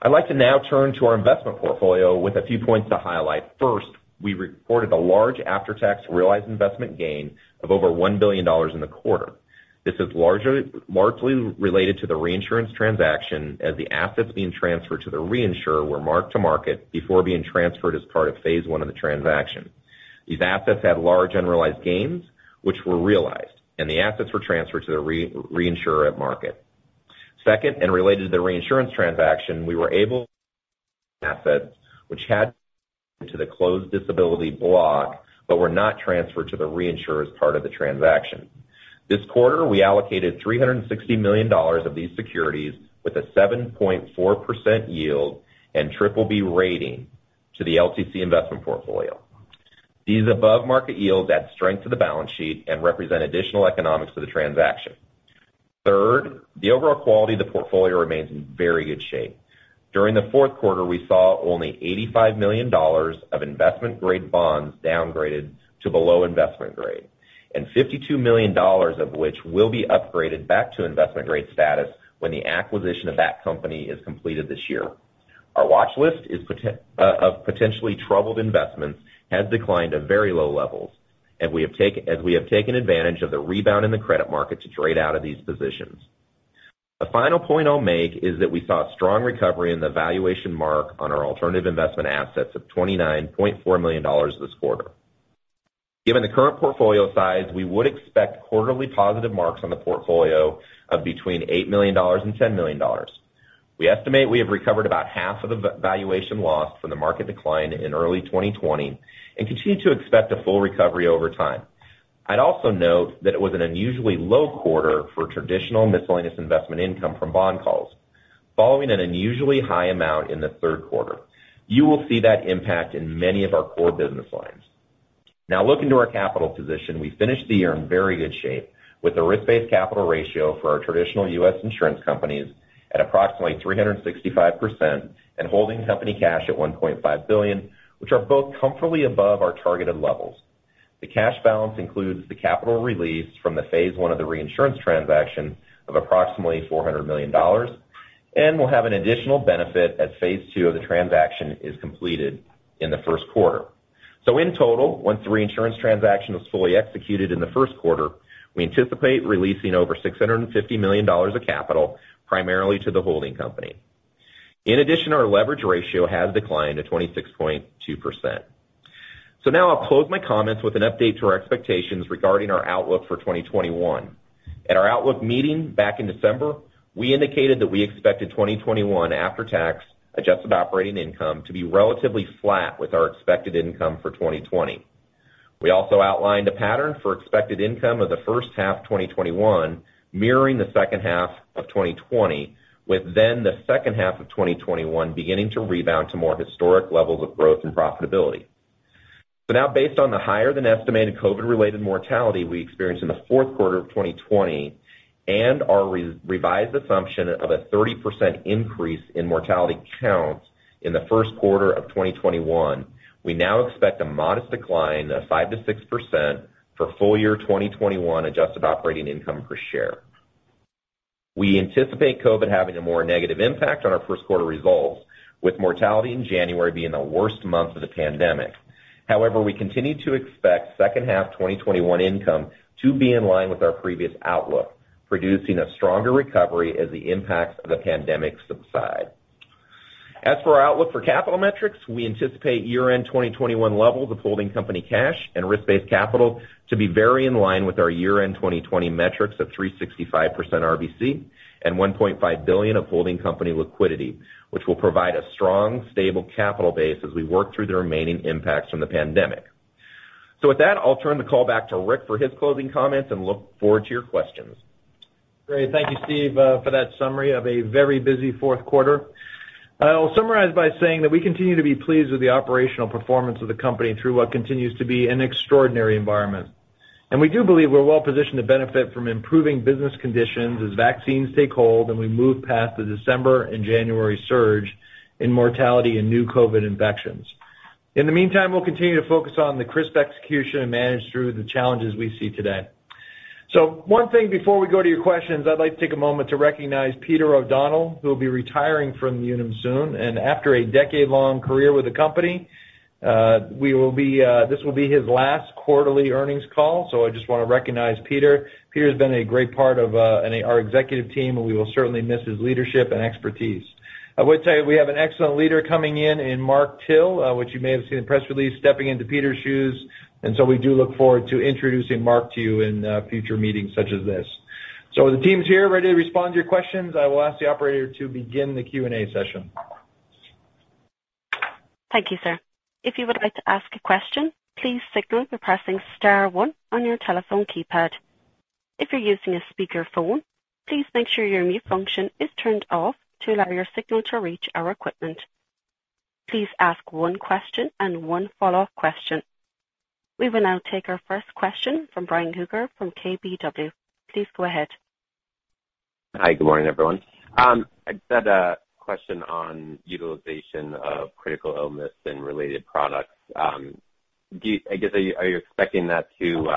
I'd like to now turn to our investment portfolio with a few points to highlight. First, we reported a large after-tax realized investment gain of over $1 billion in the quarter. This is largely related to the reinsurance transaction, as the assets being transferred to the reinsurer were marked to market before being transferred as part of phase 1 of the transaction. These assets had large unrealized gains, which were realized, and the assets were transferred to the reinsurer at market. Second, related to the reinsurance transaction, we were able asset, which had to the closed disability block, but were not transferred to the reinsurer as part of the transaction. This quarter, we allocated $360 million of these securities with a 7.4% yield and BBB rating to the LTC investment portfolio. These above-market yields add strength to the balance sheet and represent additional economics to the transaction. Third, the overall quality of the portfolio remains in very good shape. During the fourth quarter, we saw only $85 million of investment-grade bonds downgraded to below-investment grade, and $52 million of which will be upgraded back to investment-grade status when the acquisition of that company is completed this year. Our watch list of potentially troubled investments has declined to very low levels, as we have taken advantage of the rebound in the credit market to trade out of these positions. The final point I'll make is that we saw a strong recovery in the valuation mark on our alternative investment assets of $29.4 million this quarter. Given the current portfolio size, we would expect quarterly positive marks on the portfolio of between $8 million and $10 million. We estimate we have recovered about half of the valuation loss from the market decline in early 2020 and continue to expect a full recovery over time. I'd also note that it was an unusually low quarter for traditional miscellaneous investment income from bond calls, following an unusually high amount in the third quarter. You will see that impact in many of our core business lines. Looking to our capital position, we finished the year in very good shape with a risk-based capital ratio for our traditional U.S. insurance companies at approximately 365% and holding company cash at $1.5 billion, which are both comfortably above our targeted levels. The cash balance includes the capital release from phase one of the reinsurance transaction of approximately $400 million, and we'll have an additional benefit as phase two of the transaction is completed in the first quarter. In total, once the reinsurance transaction is fully executed in the first quarter, we anticipate releasing over $650 million of capital, primarily to the holding company. In addition, our leverage ratio has declined to 26.2%. I'll close my comments with an update to our expectations regarding our outlook for 2021. At our outlook meeting back in December, we indicated that we expected 2021 after-tax adjusted operating income to be relatively flat with our expected income for 2020. We also outlined a pattern for expected income of the first half 2021 mirroring the second half of 2020, with the second half of 2021 beginning to rebound to more historic levels of growth and profitability. Based on the higher than estimated COVID-related mortality we experienced in the fourth quarter of 2020 and our revised assumption of a 30% increase in mortality counts in the first quarter of 2021, we now expect a modest decline of 5%-6% for full year 2021 adjusted operating income per share. We anticipate COVID having a more negative impact on our first quarter results, with mortality in January being the worst month of the pandemic. However, we continue to expect second half 2021 income to be in line with our previous outlook, producing a stronger recovery as the impacts of the pandemic subside. As for our outlook for capital metrics, we anticipate year-end 2021 levels of holding company cash and risk-based capital to be very in line with our year-end 2020 metrics of 365% RBC and $1.5 billion of holding company liquidity, which will provide a strong, stable capital base as we work through the remaining impacts from the pandemic. With that, I'll turn the call back to Rick for his closing comments and look forward to your questions. Great. Thank you, Steve, for that summary of a very busy fourth quarter. I'll summarize by saying that we continue to be pleased with the operational performance of the company through what continues to be an extraordinary environment. We do believe we're well positioned to benefit from improving business conditions as vaccines take hold and we move past the December and January surge in mortality and new COVID infections. In the meantime, we'll continue to focus on the crisp execution and manage through the challenges we see today. One thing before we go to your questions, I'd like to take a moment to recognize Peter O'Donnell, who will be retiring from Unum soon. After a decade-long career with the company, this will be his last quarterly earnings call. I just want to recognize Peter. Peter has been a great part of our executive team, and we will certainly miss his leadership and expertise. I would say we have an excellent leader coming in Mark Till, which you may have seen in the press release, stepping into Peter's shoes. We do look forward to introducing Mark to you in future meetings such as this. The team's here ready to respond to your questions. I will ask the operator to begin the Q&A session. Thank you, sir. If you would like to ask a question, please signal by pressing *1 on your telephone keypad. If you're using a speakerphone, please make sure your mute function is turned off to allow your signal to reach our equipment. Please ask one question and one follow-up question. We will now take our first question from Ryan Krueger from KBW. Please go ahead. Hi. Good morning, everyone. I just had a question on utilization of critical illness and related products. I guess, are you expecting that to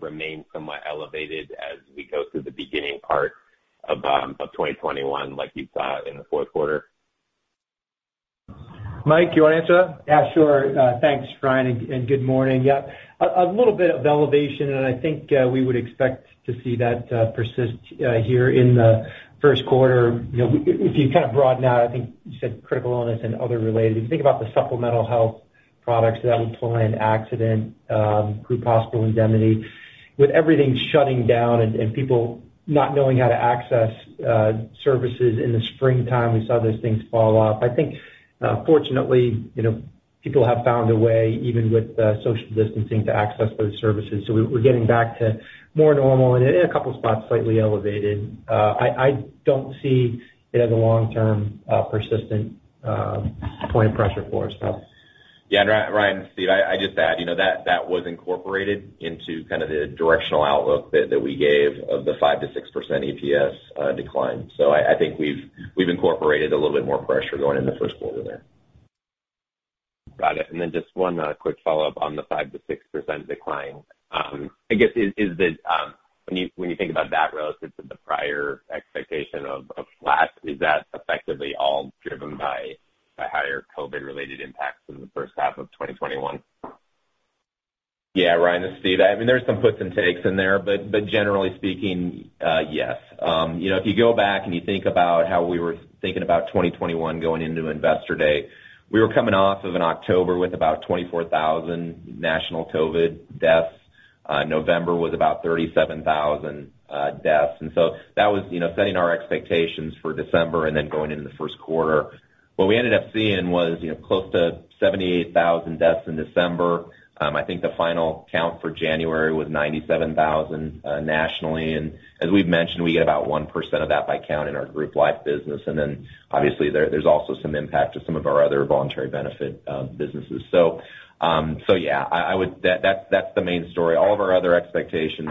remain somewhat elevated as we go through the beginning part of 2021, like you saw in the fourth quarter? Mike, you want to answer that? Yeah, sure. Thanks, Ryan. Good morning. A little bit of elevation, and I think we would expect to see that persist here in the first quarter. If you kind of broaden out, I think you said critical illness and other related. If you think about the supplemental health products, Accident, group hospital indemnity. With everything shutting down and people not knowing how to access services in the springtime, we saw those things fall off. I think, fortunately, people have found a way, even with social distancing, to access those services. We're getting back to more normal and in a couple spots, slightly elevated. I don't see it as a long-term, persistent point of pressure for us. Ryan, Steve, I just add, that was incorporated into kind of the directional outlook that we gave of the 5%-6% EPS decline. I think we've incorporated a little bit more pressure going into the first quarter there. Got it. Just one quick follow-up on the 5%-6% decline. I guess, when you think about that relative to the prior expectation of flat, is that effectively all driven by higher COVID-related impacts in the first half of 2021? Yeah, Ryan, it's Steve. I mean, there's some puts and takes in there, but generally speaking, yes. If you go back and you think about how we were thinking about 2021 going into Investor Day, we were coming off of an October with about 24,000 national COVID deaths. November was about 37,000 deaths. That was setting our expectations for December and then going into the first quarter. What we ended up seeing was close to 78,000 deaths in December. I think the final count for January was 97,000 nationally. As we've mentioned, we get about 1% of that by count in our group life business. Obviously, there's also some impact to some of our other voluntary benefit businesses. Yeah, that's the main story. All of our other expectations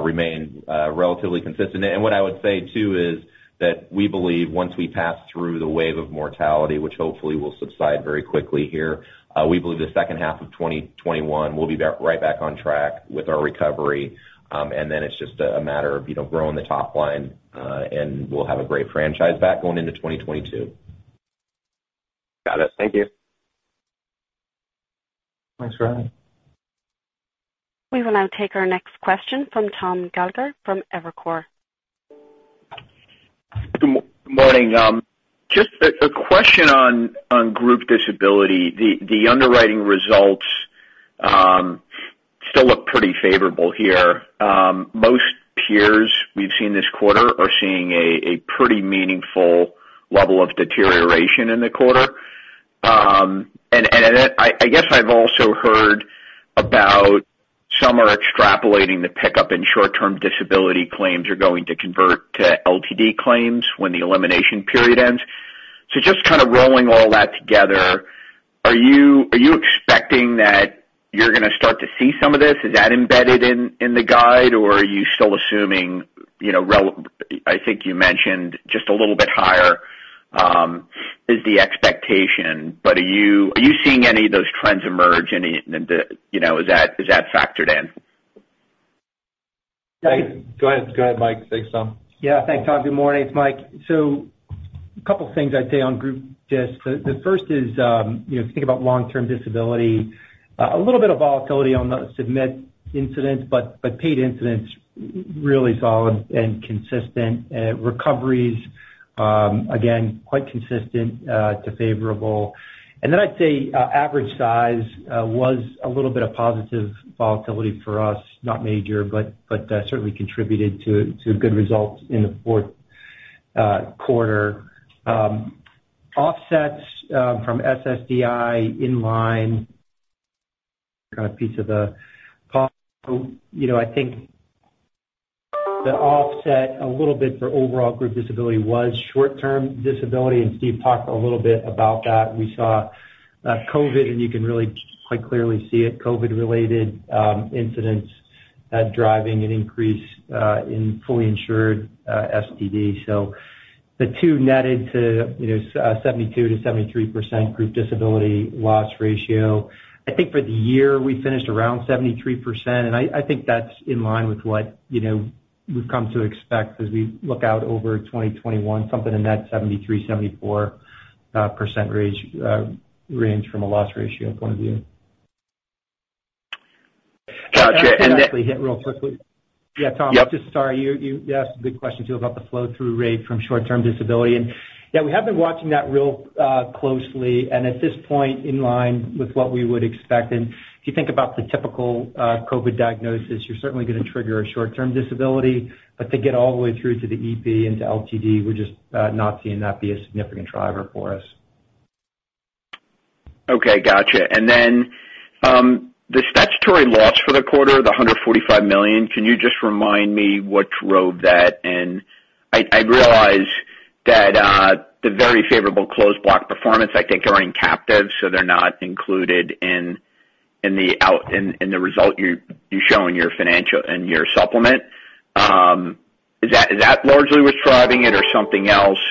remain relatively consistent. What I would say, too, is that we believe once we pass through the wave of mortality, which hopefully will subside very quickly here, we believe the second half of 2021, we'll be right back on track with our recovery. Then it's just a matter of growing the top line, and we'll have a great franchise back going into 2022. Got it. Thank you. Thanks, Ryan. We will now take our next question from Thomas Gallagher from Evercore. Good morning. Just a question on group disability. The underwriting results still look pretty favorable here. Most peers we've seen this quarter are seeing a pretty meaningful level of deterioration in the quarter. I guess I've also heard about some are extrapolating the pickup in short-term disability claims are going to convert to LTD claims when the elimination period ends. Just kind of rolling all that together, are you expecting that you're going to start to see some of this? Is that embedded in the guide, or are you still assuming I think you mentioned just a little bit higher is the expectation, but are you seeing any of those trends emerge? Is that factored in? Go ahead, Mike. Thanks, Tom. Yeah, thanks, Tom. Good morning. It's Mike. A couple things I'd say on group disc. The first is, if you think about long-term disability, a little bit of volatility on the submit incidents, but paid incidents, really solid and consistent. Recoveries, again, quite consistent to favorable. Then I'd say average size was a little bit of positive volatility for us, not major, but certainly contributed to good results in the fourth quarter. Offsets from SSDI in line kind of piece of the call. I think the offset a little bit for overall group disability was short-term disability, and Steve talked a little bit about that. We saw COVID, and you can really quite clearly see it, COVID-related incidents driving an increase in fully insured STD. The two netted to 72%-73% group disability loss ratio. I think for the year, we finished around 73%. I think that's in line with what we've come to expect as we look out over 2021, something in that 73%-74% range from a loss ratio point of view. Got you. Can I actually hit real quickly? Yeah, Tom, just sorry. You asked a good question, too, about the flow-through rate from short-term disability. Yeah, we have been watching that real closely and at this point in line with what we would expect. If you think about the typical COVID diagnosis, you're certainly going to trigger a short-term disability. To get all the way through to the EP into LTD, we're just not seeing that be a significant driver for us. Okay, got you. The statutory loss for the quarter, the $145 million, can you just remind me what drove that in? I realize that the very favorable closed block performance, I think they're in captive, so they're not included in the result you show in your supplement. Is that largely what's driving it or something else?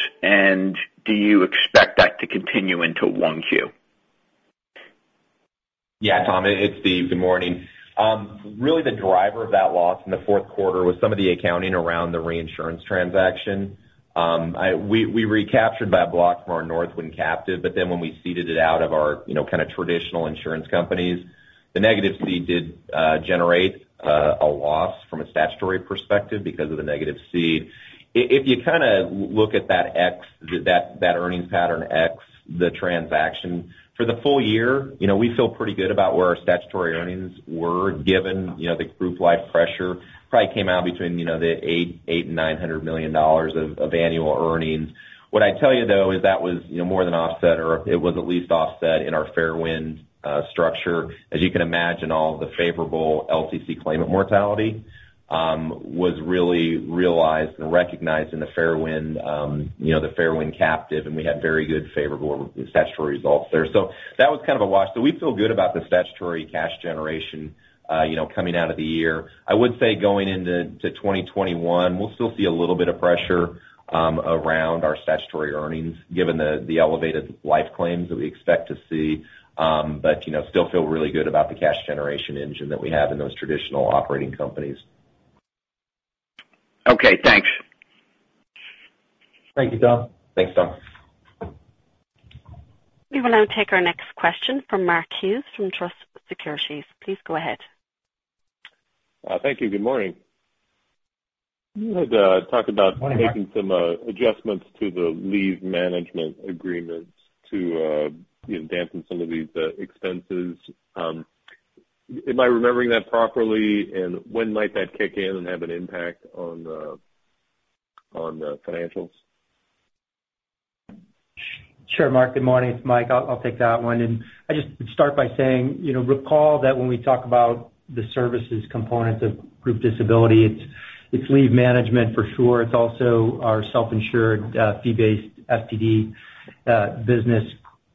Do you expect that to continue into 1Q? Yeah, Tom, it's Steve. Good morning. Really the driver of that loss in the fourth quarter was some of the accounting around the reinsurance transaction. We recaptured that block from our Northwind captive, when we ceded it out of our kind of traditional insurance companies, the negative cede generate a loss from a statutory perspective because of the negative c. If you kind of look at that earnings pattern, ex the transaction for the full year, we feel pretty good about where our statutory earnings were given the group life pressure probably came out between the $800 million and $900 million of annual earnings. What I'd tell you, though, is that was more than offset, or it was at least offset in our Fairwind structure. As you can imagine, all the favorable LTC claimant mortality was really realized and recognized in the Fairwind captive. We had very good favorable statutory results there. That was kind of a wash. We feel good about the statutory cash generation coming out of the year. I would say going into 2021, we'll still see a little bit of pressure around our statutory earnings given the elevated life claims that we expect to see. Still feel really good about the cash generation engine that we have in those traditional operating companies. Okay, thanks. Thank you, Tom. Thanks, Tom. We will now take our next question from Mark Hughes from Truist Securities. Please go ahead. Thank you. Good morning. You had talked about Morning, Mark making some adjustments to the leave management agreements to dampen some of these expenses. Am I remembering that properly? When might that kick in and have an impact on the financials? Sure, Mark. Good morning. It's Michael. I'll take that one. I just would start by saying, recall that when we talk about the services components of group disability, it's leave management for sure. It's also our self-insured, fee-based STD business,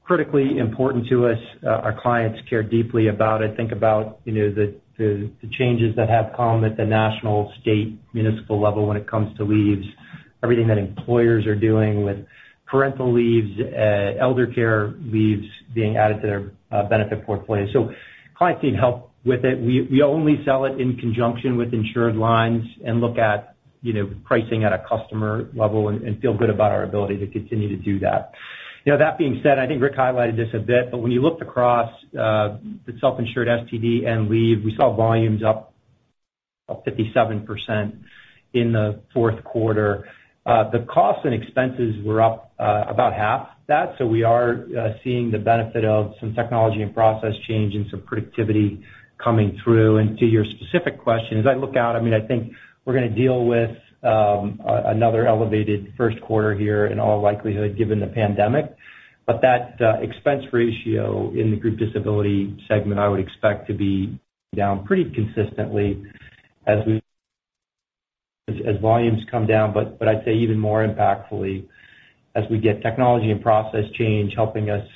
critically important to us. Our clients care deeply about it. Think about the changes that have come at the national, state, municipal level when it comes to leaves, everything that employers are doing with parental leaves, elder care leaves being added to their benefit portfolio. Clients need help with it. We only sell it in conjunction with insured lines and look at pricing at a customer level and feel good about our ability to continue to do that. That being said, I think Rick highlighted this a bit, but when you looked across the self-insured STD and leave, we saw volumes up 57% in the fourth quarter. The costs and expenses were up about half that. We are seeing the benefit of some technology and process change and some productivity coming through. To your specific question, as I look out, I think we're going to deal with another elevated first quarter here in all likelihood, given the pandemic. That expense ratio in the group disability segment I would expect to be down pretty consistently as volumes come down. I'd say even more impactfully as we get technology and process change helping us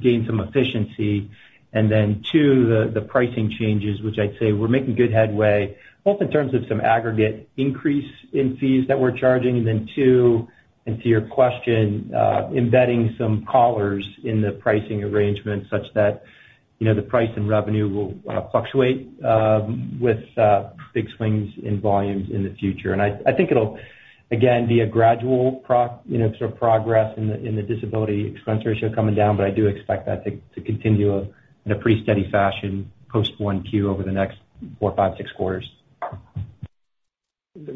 gain some efficiency, then two, the pricing changes, which I'd say we're making good headway both in terms of some aggregate increase in fees that we're charging, then two, and to your question, embedding some collars in the pricing arrangement such that the price and revenue will fluctuate with big swings in volumes in the future. I think it'll, again, be a gradual sort of progress in the disability expense ratio coming down, but I do expect that to continue in a pretty steady fashion post 1Q over the next four, five, six quarters.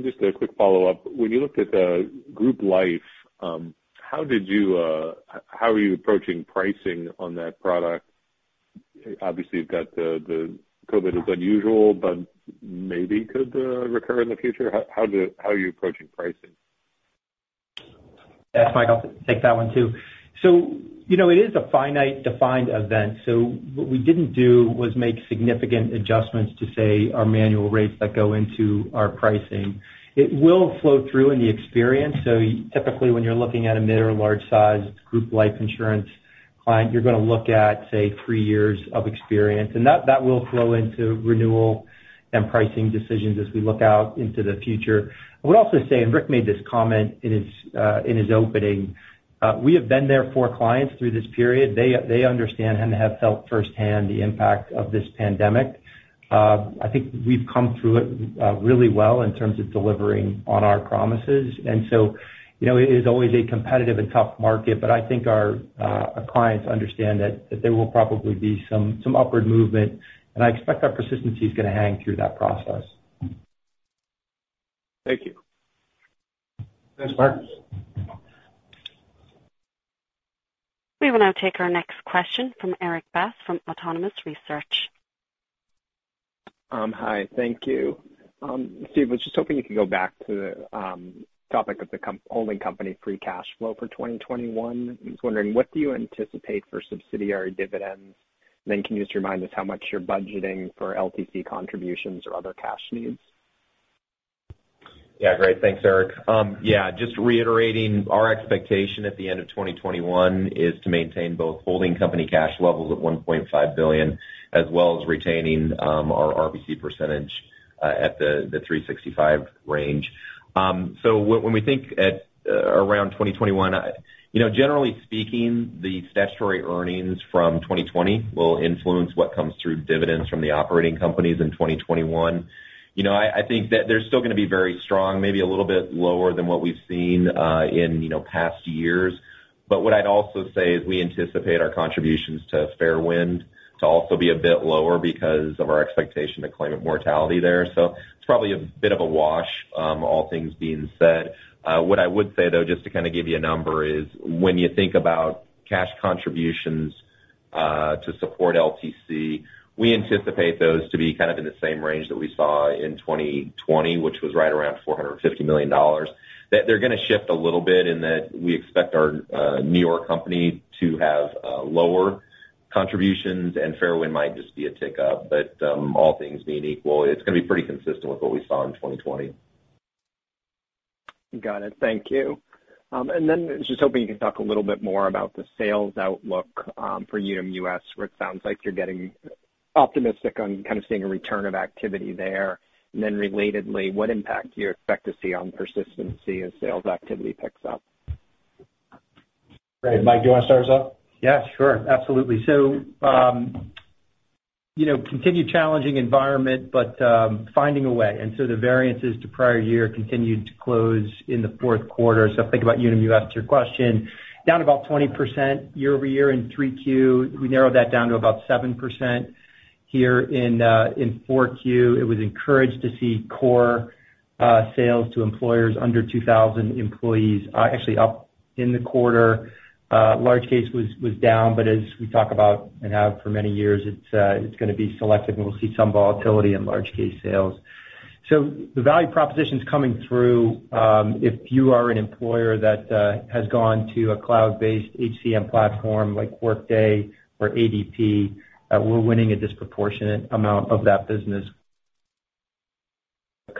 Just a quick follow-up. When you looked at group life, how are you approaching pricing on that product? Obviously, you've got the COVID is unusual, but maybe could recur in the future. How are you approaching pricing? Yeah, Mike, I'll take that one, too. It is a finite defined event. What we didn't do was make significant adjustments to, say, our manual rates that go into our pricing. It will flow through in the experience. Typically, when you're looking at a mid or large-sized group life insurance client, you're going to look at, say, three years of experience, and that will flow into renewal and pricing decisions as we look out into the future. I would also say, Rick made this comment in his opening, we have been there for clients through this period. They understand and have felt firsthand the impact of this pandemic. I think we've come through it really well in terms of delivering on our promises, it is always a competitive and tough market. I think our clients understand that there will probably be some upward movement, and I expect our persistency is going to hang through that process. Thank you. Thanks, Mark. We will now take our next question from Erik Bass from Autonomous Research. Hi. Thank you. Steve, I was just hoping you could go back to the topic of the holding company free cash flow for 2021. I was wondering, what do you anticipate for subsidiary dividends? And then can you just remind us how much you're budgeting for LTC contributions or other cash needs? Yeah, great. Thanks, Erik. Yeah, just reiterating our expectation at the end of 2021 is to maintain both holding company cash levels at $1.5 billion, as well as retaining our RBC percentage at the 365 range. When we think at around 2021, generally speaking, the statutory earnings from 2020 will influence what comes through dividends from the operating companies in 2021. I think that they're still going to be very strong, maybe a little bit lower than what we've seen in past years. What I'd also say is we anticipate our contributions to Fairwind to also be a bit lower because of our expectation of claimant mortality there. It's probably a bit of a wash, all things being said. What I would say, though, just to kind of give you a number, is when you think about cash contributions to support LTC, we anticipate those to be kind of in the same range that we saw in 2020, which was right around $450 million. They're going to shift a little bit in that we expect our New York company to have lower contributions, and Fairwind might just be a tick-up. All things being equal, it's going to be pretty consistent with what we saw in 2020. Got it. Thank you. I was just hoping you could talk a little bit more about the sales outlook for Unum US, where it sounds like you're getting optimistic on kind of seeing a return of activity there. Relatedly, what impact do you expect to see on persistency as sales activity picks up? Great. Mike, do you want to start us off? Yeah, sure. Absolutely. continued challenging environment, but finding a way. The variances to prior year continued to close in the fourth quarter. If you think about Unum US, to your question, down about 20% year-over-year in Q3. We narrowed that down to about 7% here in Q4. It was encouraged to see core sales to employers under 2,000 employees are actually up in the quarter. Large case was down, but as we talk about and have for many years, it's going to be selective, and we'll see some volatility in large case sales. The value proposition's coming through. If you are an employer that has gone to a cloud-based HCM platform like Workday or ADP, we're winning a disproportionate amount of that business.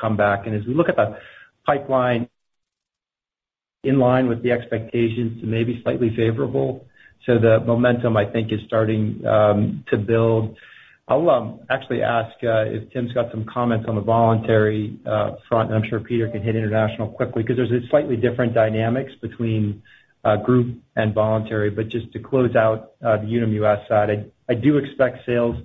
Come back, as we look at the pipeline, in line with the expectations to may be slightly favorable. The momentum, I think, is starting to build. I'll actually ask if Tim's got some comments on the voluntary front, and I'm sure Peter can hit international quickly because there's slightly different dynamics between group and voluntary. Just to close out the Unum US side, I do expect sales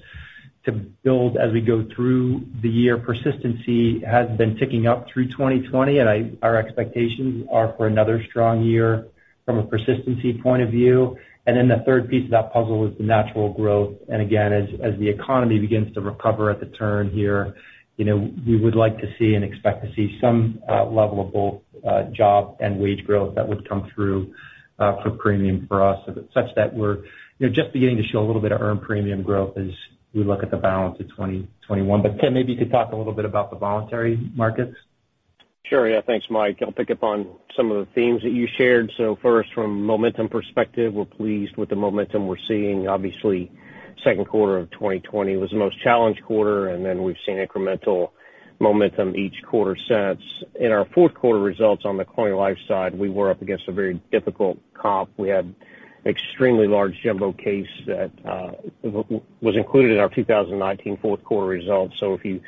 to build as we go through the year. Persistency has been ticking up through 2020, and our expectations are for another strong year from a persistency point of view. The third piece of that puzzle is the natural growth. Again, as the economy begins to recover at the turn here, we would like to see and expect to see some level of both job and wage growth that would come through for premium for us, such that we're just beginning to show a little bit of earned premium growth as we look at the balance of 2021. Tim, maybe you could talk a little bit about the voluntary markets. Sure. Yeah. Thanks, Mike. I'll pick up on some of the themes that you shared. First, from a momentum perspective, we're pleased with the momentum we're seeing. Obviously, Q2 of 2020 was the most challenged quarter, we've seen incremental momentum each quarter since. In our fourth quarter results on the Colonial Life side, we were up against a very difficult comp. We had extremely large jumbo case that was included in our 2019 fourth quarter results. If you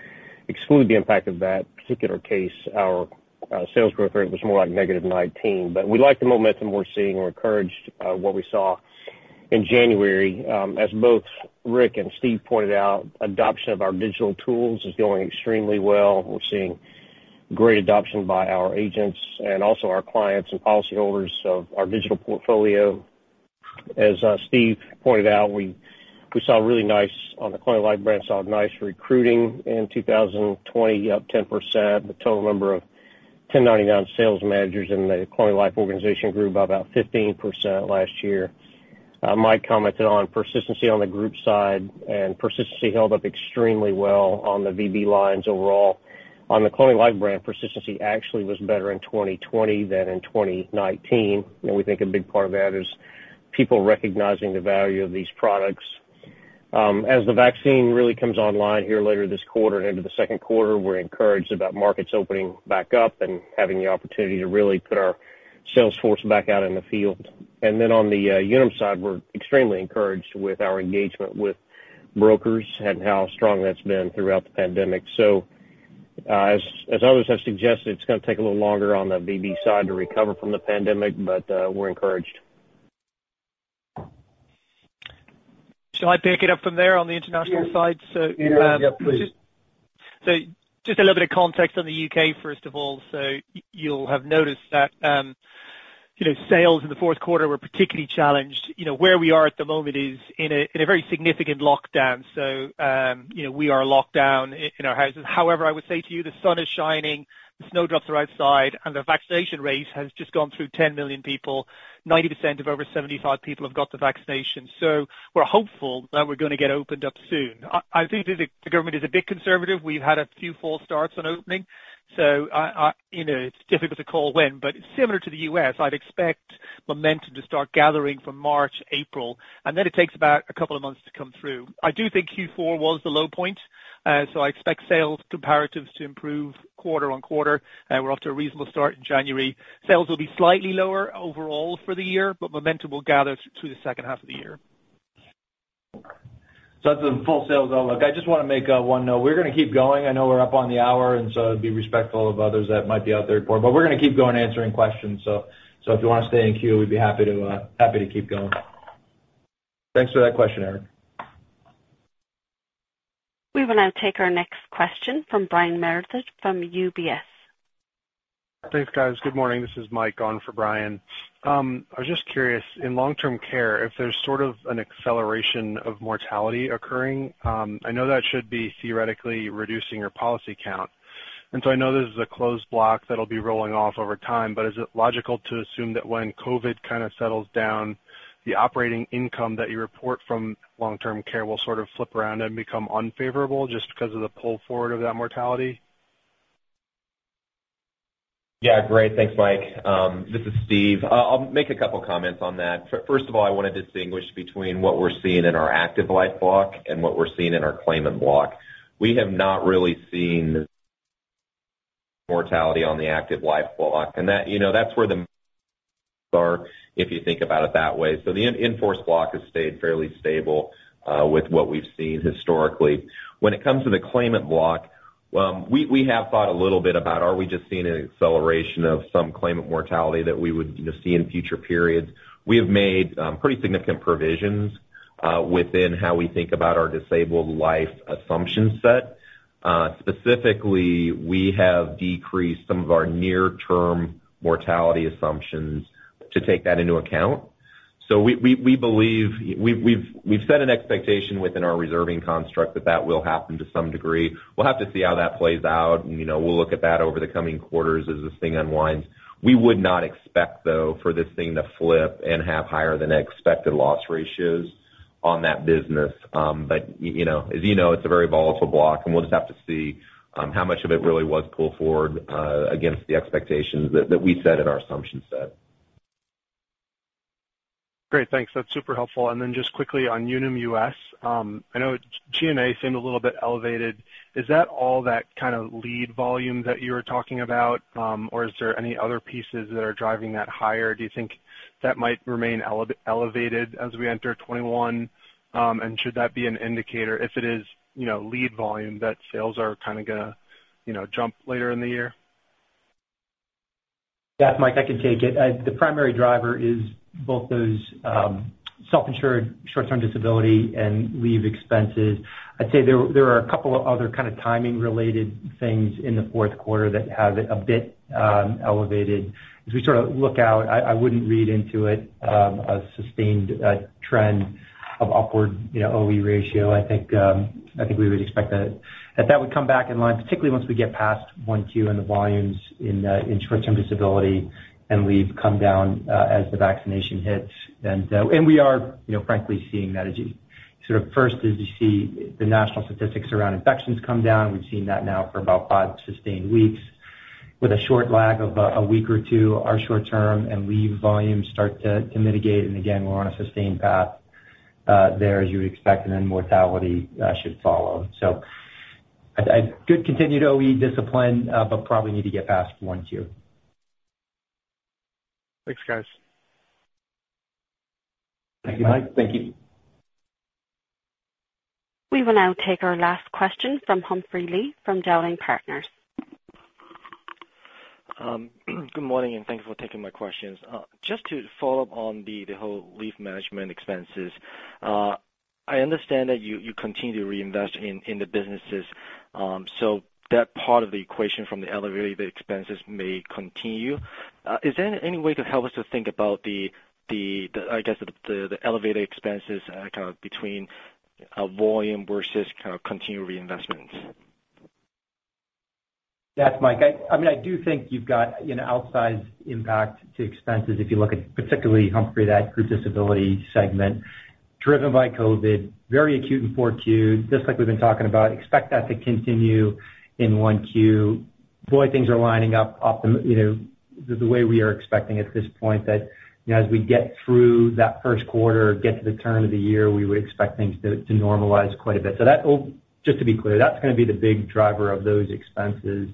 exclude the impact of that particular case, our sales growth rate was more like -19%. We like the momentum we're seeing. We're encouraged by what we saw in January. As both Rick and Steve pointed out, adoption of our digital tools is going extremely well. We're seeing great adoption by our agents and also our clients and policyholders of our digital portfolio. As Steve pointed out, on the Colonial Life brand, saw nice recruiting in 2020, up 10%. The total number of 1099 sales managers in the Colonial Life organization grew by about 15% last year. Mike commented on persistency on the group side, persistency held up extremely well on the VB lines overall. On the Colonial Life brand, persistency actually was better in 2020 than in 2019, and we think a big part of that is people recognizing the value of these products. As the vaccine really comes online here later this quarter and into the second quarter, we're encouraged about markets opening back up and having the opportunity to really put our sales force back out in the field. On the Unum side, we're extremely encouraged with our engagement with brokers and how strong that's been throughout the pandemic. As others have suggested, it's going to take a little longer on the VB side to recover from the pandemic, but we're encouraged. Shall I pick it up from there on the international side? Yeah, please. Just a little bit of context on the U.K., first of all. You'll have noticed that sales in the fourth quarter were particularly challenged. Where we are at the moment is in a very significant lockdown. We are locked down in our houses. However, I would say to you, the sun is shining, the snowdrops are outside, and the vaccination rate has just gone through 10 million people. 90% of over 75 people have got the vaccination. We're hopeful that we're going to get opened up soon. I do think the government is a bit conservative. We've had a few false starts on opening, so it's difficult to call when. Similar to the U.S., I'd expect momentum to start gathering from March, April, and then it takes about a couple of months to come through. I do think Q4 was the low point, so I expect sales comparatives to improve quarter-over-quarter. We're off to a reasonable start in January. Sales will be slightly lower overall for the year, but momentum will gather through the second half of the year. That's the full sales outlook. I just want to make one note. We're going to keep going. I know we're up on the hour, and so to be respectful of others that might be out there, but we're going to keep going answering questions. If you want to stay in queue, we'd be happy to keep going. Thanks for that question, Erik. We will now take our next question from Brian Meredith from UBS. Thanks, guys. Good morning. This is Mike on for Brian. I was just curious, in long-term care, if there's sort of an acceleration of mortality occurring, I know that should be theoretically reducing your policy count. I know this is a closed block that'll be rolling off over time, but is it logical to assume that when COVID kind of settles down, the operating income that you report from long-term care will sort of flip around and become unfavorable just because of the pull forward of that mortality? Yeah, great. Thanks, Mike. This is Steve. I'll make a couple comments on that. First of all, I want to distinguish between what we're seeing in our active life block and what we're seeing in our claimant block. We have not really seen mortality on the active life block, and that's where the are, if you think about it that way. So the in-force block has stayed fairly stable, with what we've seen historically. When it comes to the claimant block, we have thought a little bit about are we just seeing an acceleration of some claimant mortality that we would see in future periods? We have made pretty significant provisions within how we think about our disabled life assumption set. Specifically, we have decreased some of our near-term mortality assumptions to take that into account. We've set an expectation within our reserving construct that that will happen to some degree. We'll have to see how that plays out, and we'll look at that over the coming quarters as this thing unwinds. We would not expect, though, for this thing to flip and have higher than expected loss ratios on that business. As you know, it's a very volatile block and we'll just have to see how much of it really was pull-forward against the expectations that we set in our assumption set. Great. Thanks. That's super helpful. Just quickly on Unum US. I know G&A seemed a little bit elevated. Is that all that kind of lead volume that you were talking about? Is there any other pieces that are driving that higher? Do you think that might remain elevated as we enter 2021? Should that be an indicator, if it is lead volume, that sales are kind of going to jump later in the year? Yes, Mike, I can take it. The primary driver is both those self-insured short-term disability and leave expenses. I'd say there are a couple of other kind of timing-related things in the fourth quarter that have it a bit elevated. As we sort of look out, I wouldn't read into it a sustained trend of upward OE ratio. I think we would expect that that would come back in line, particularly once we get past 1Q and the volumes in short-term disability and leave come down as the vaccination hits. We are frankly seeing that as sort of first, as you see the national statistics around infections come down. We've seen that now for about five sustained weeks with a short lag of a week or two, our short-term and leave volumes start to mitigate. Again, we're on a sustained path there as you would expect, mortality should follow. A good continued OE discipline, probably need to get past 1Q. Thanks, guys. Thank you, Mike. Thank you. We will now take our last question from Humphrey Lee from Dowling & Partners. Good morning, and thank you for taking my questions. Just to follow up on the whole leave management expenses. I understand that you continue to reinvest in the businesses, that part of the equation from the elevated expenses may continue. Is there any way to help us to think about the elevated expenses between volume versus continued reinvestments? Yes, Mike. I do think you've got an outsized impact to expenses if you look at particularly, Humphrey, that group disability segment driven by COVID, very acute in 4Q, just like we've been talking about. Expect that to continue in 1Q. Boy, things are lining up the way we are expecting at this point, that as we get through that first quarter, get to the turn of the year, we would expect things to normalize quite a bit. Just to be clear, that's going to be the big driver of those expenses.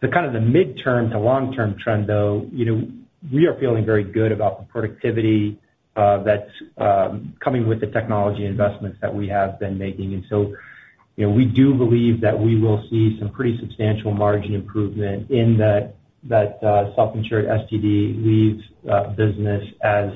The midterm to long term trend, though, we are feeling very good about the productivity that's coming with the technology investments that we have been making. We do believe that we will see some pretty substantial margin improvement in that self-insured STD leave business as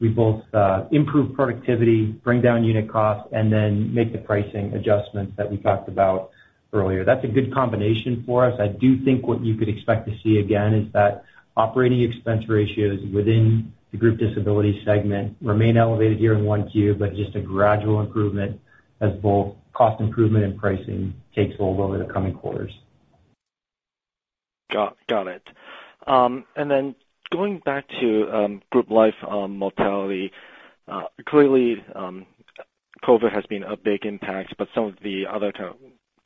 we both improve productivity, bring down unit costs, and then make the pricing adjustments that we talked about earlier. That's a good combination for us. I do think what you could expect to see, again, is that operating expense ratios within the group disability segment remain elevated here in 1Q, just a gradual improvement as both cost improvement and pricing takes hold over the coming quarters. Got it. Going back to group life mortality. Clearly, COVID has been a big impact, some of the other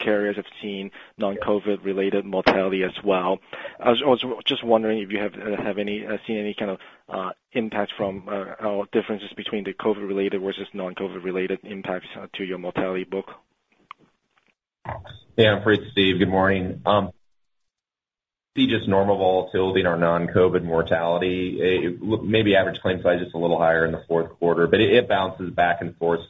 carriers have seen non-COVID related mortality as well. I was just wondering if you have seen any impact from differences between the COVID related versus non-COVID related impacts to your mortality book? Yeah, Humphrey, it's Steve. Good morning. See just normal volatility in our non-COVID mortality. Maybe average claim size just a little higher in the fourth quarter, but it bounces back and forth.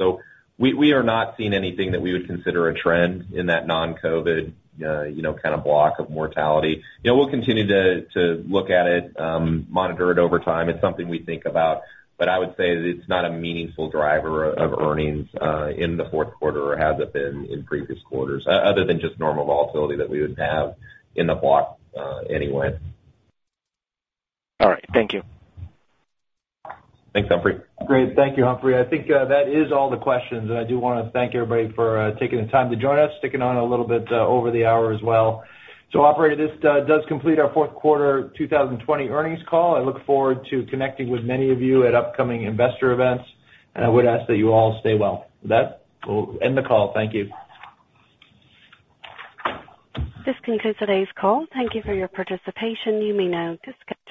We are not seeing anything that we would consider a trend in that non-COVID kind of block of mortality. We'll continue to look at it, monitor it over time. It's something we think about, but I would say that it's not a meaningful driver of earnings in the fourth quarter or has it been in previous quarters other than just normal volatility that we would have in the block anyway. All right. Thank you. Thanks, Humphrey. Great. Thank you, Humphrey. I think that is all the questions. I do want to thank everybody for taking the time to join us, sticking on a little bit over the hour as well. Operator, this does complete our fourth quarter 2020 earnings call. I look forward to connecting with many of you at upcoming investor events. I would ask that you all stay well. With that, we'll end the call. Thank you. This concludes today's call. Thank you for your participation. You may now disconnect.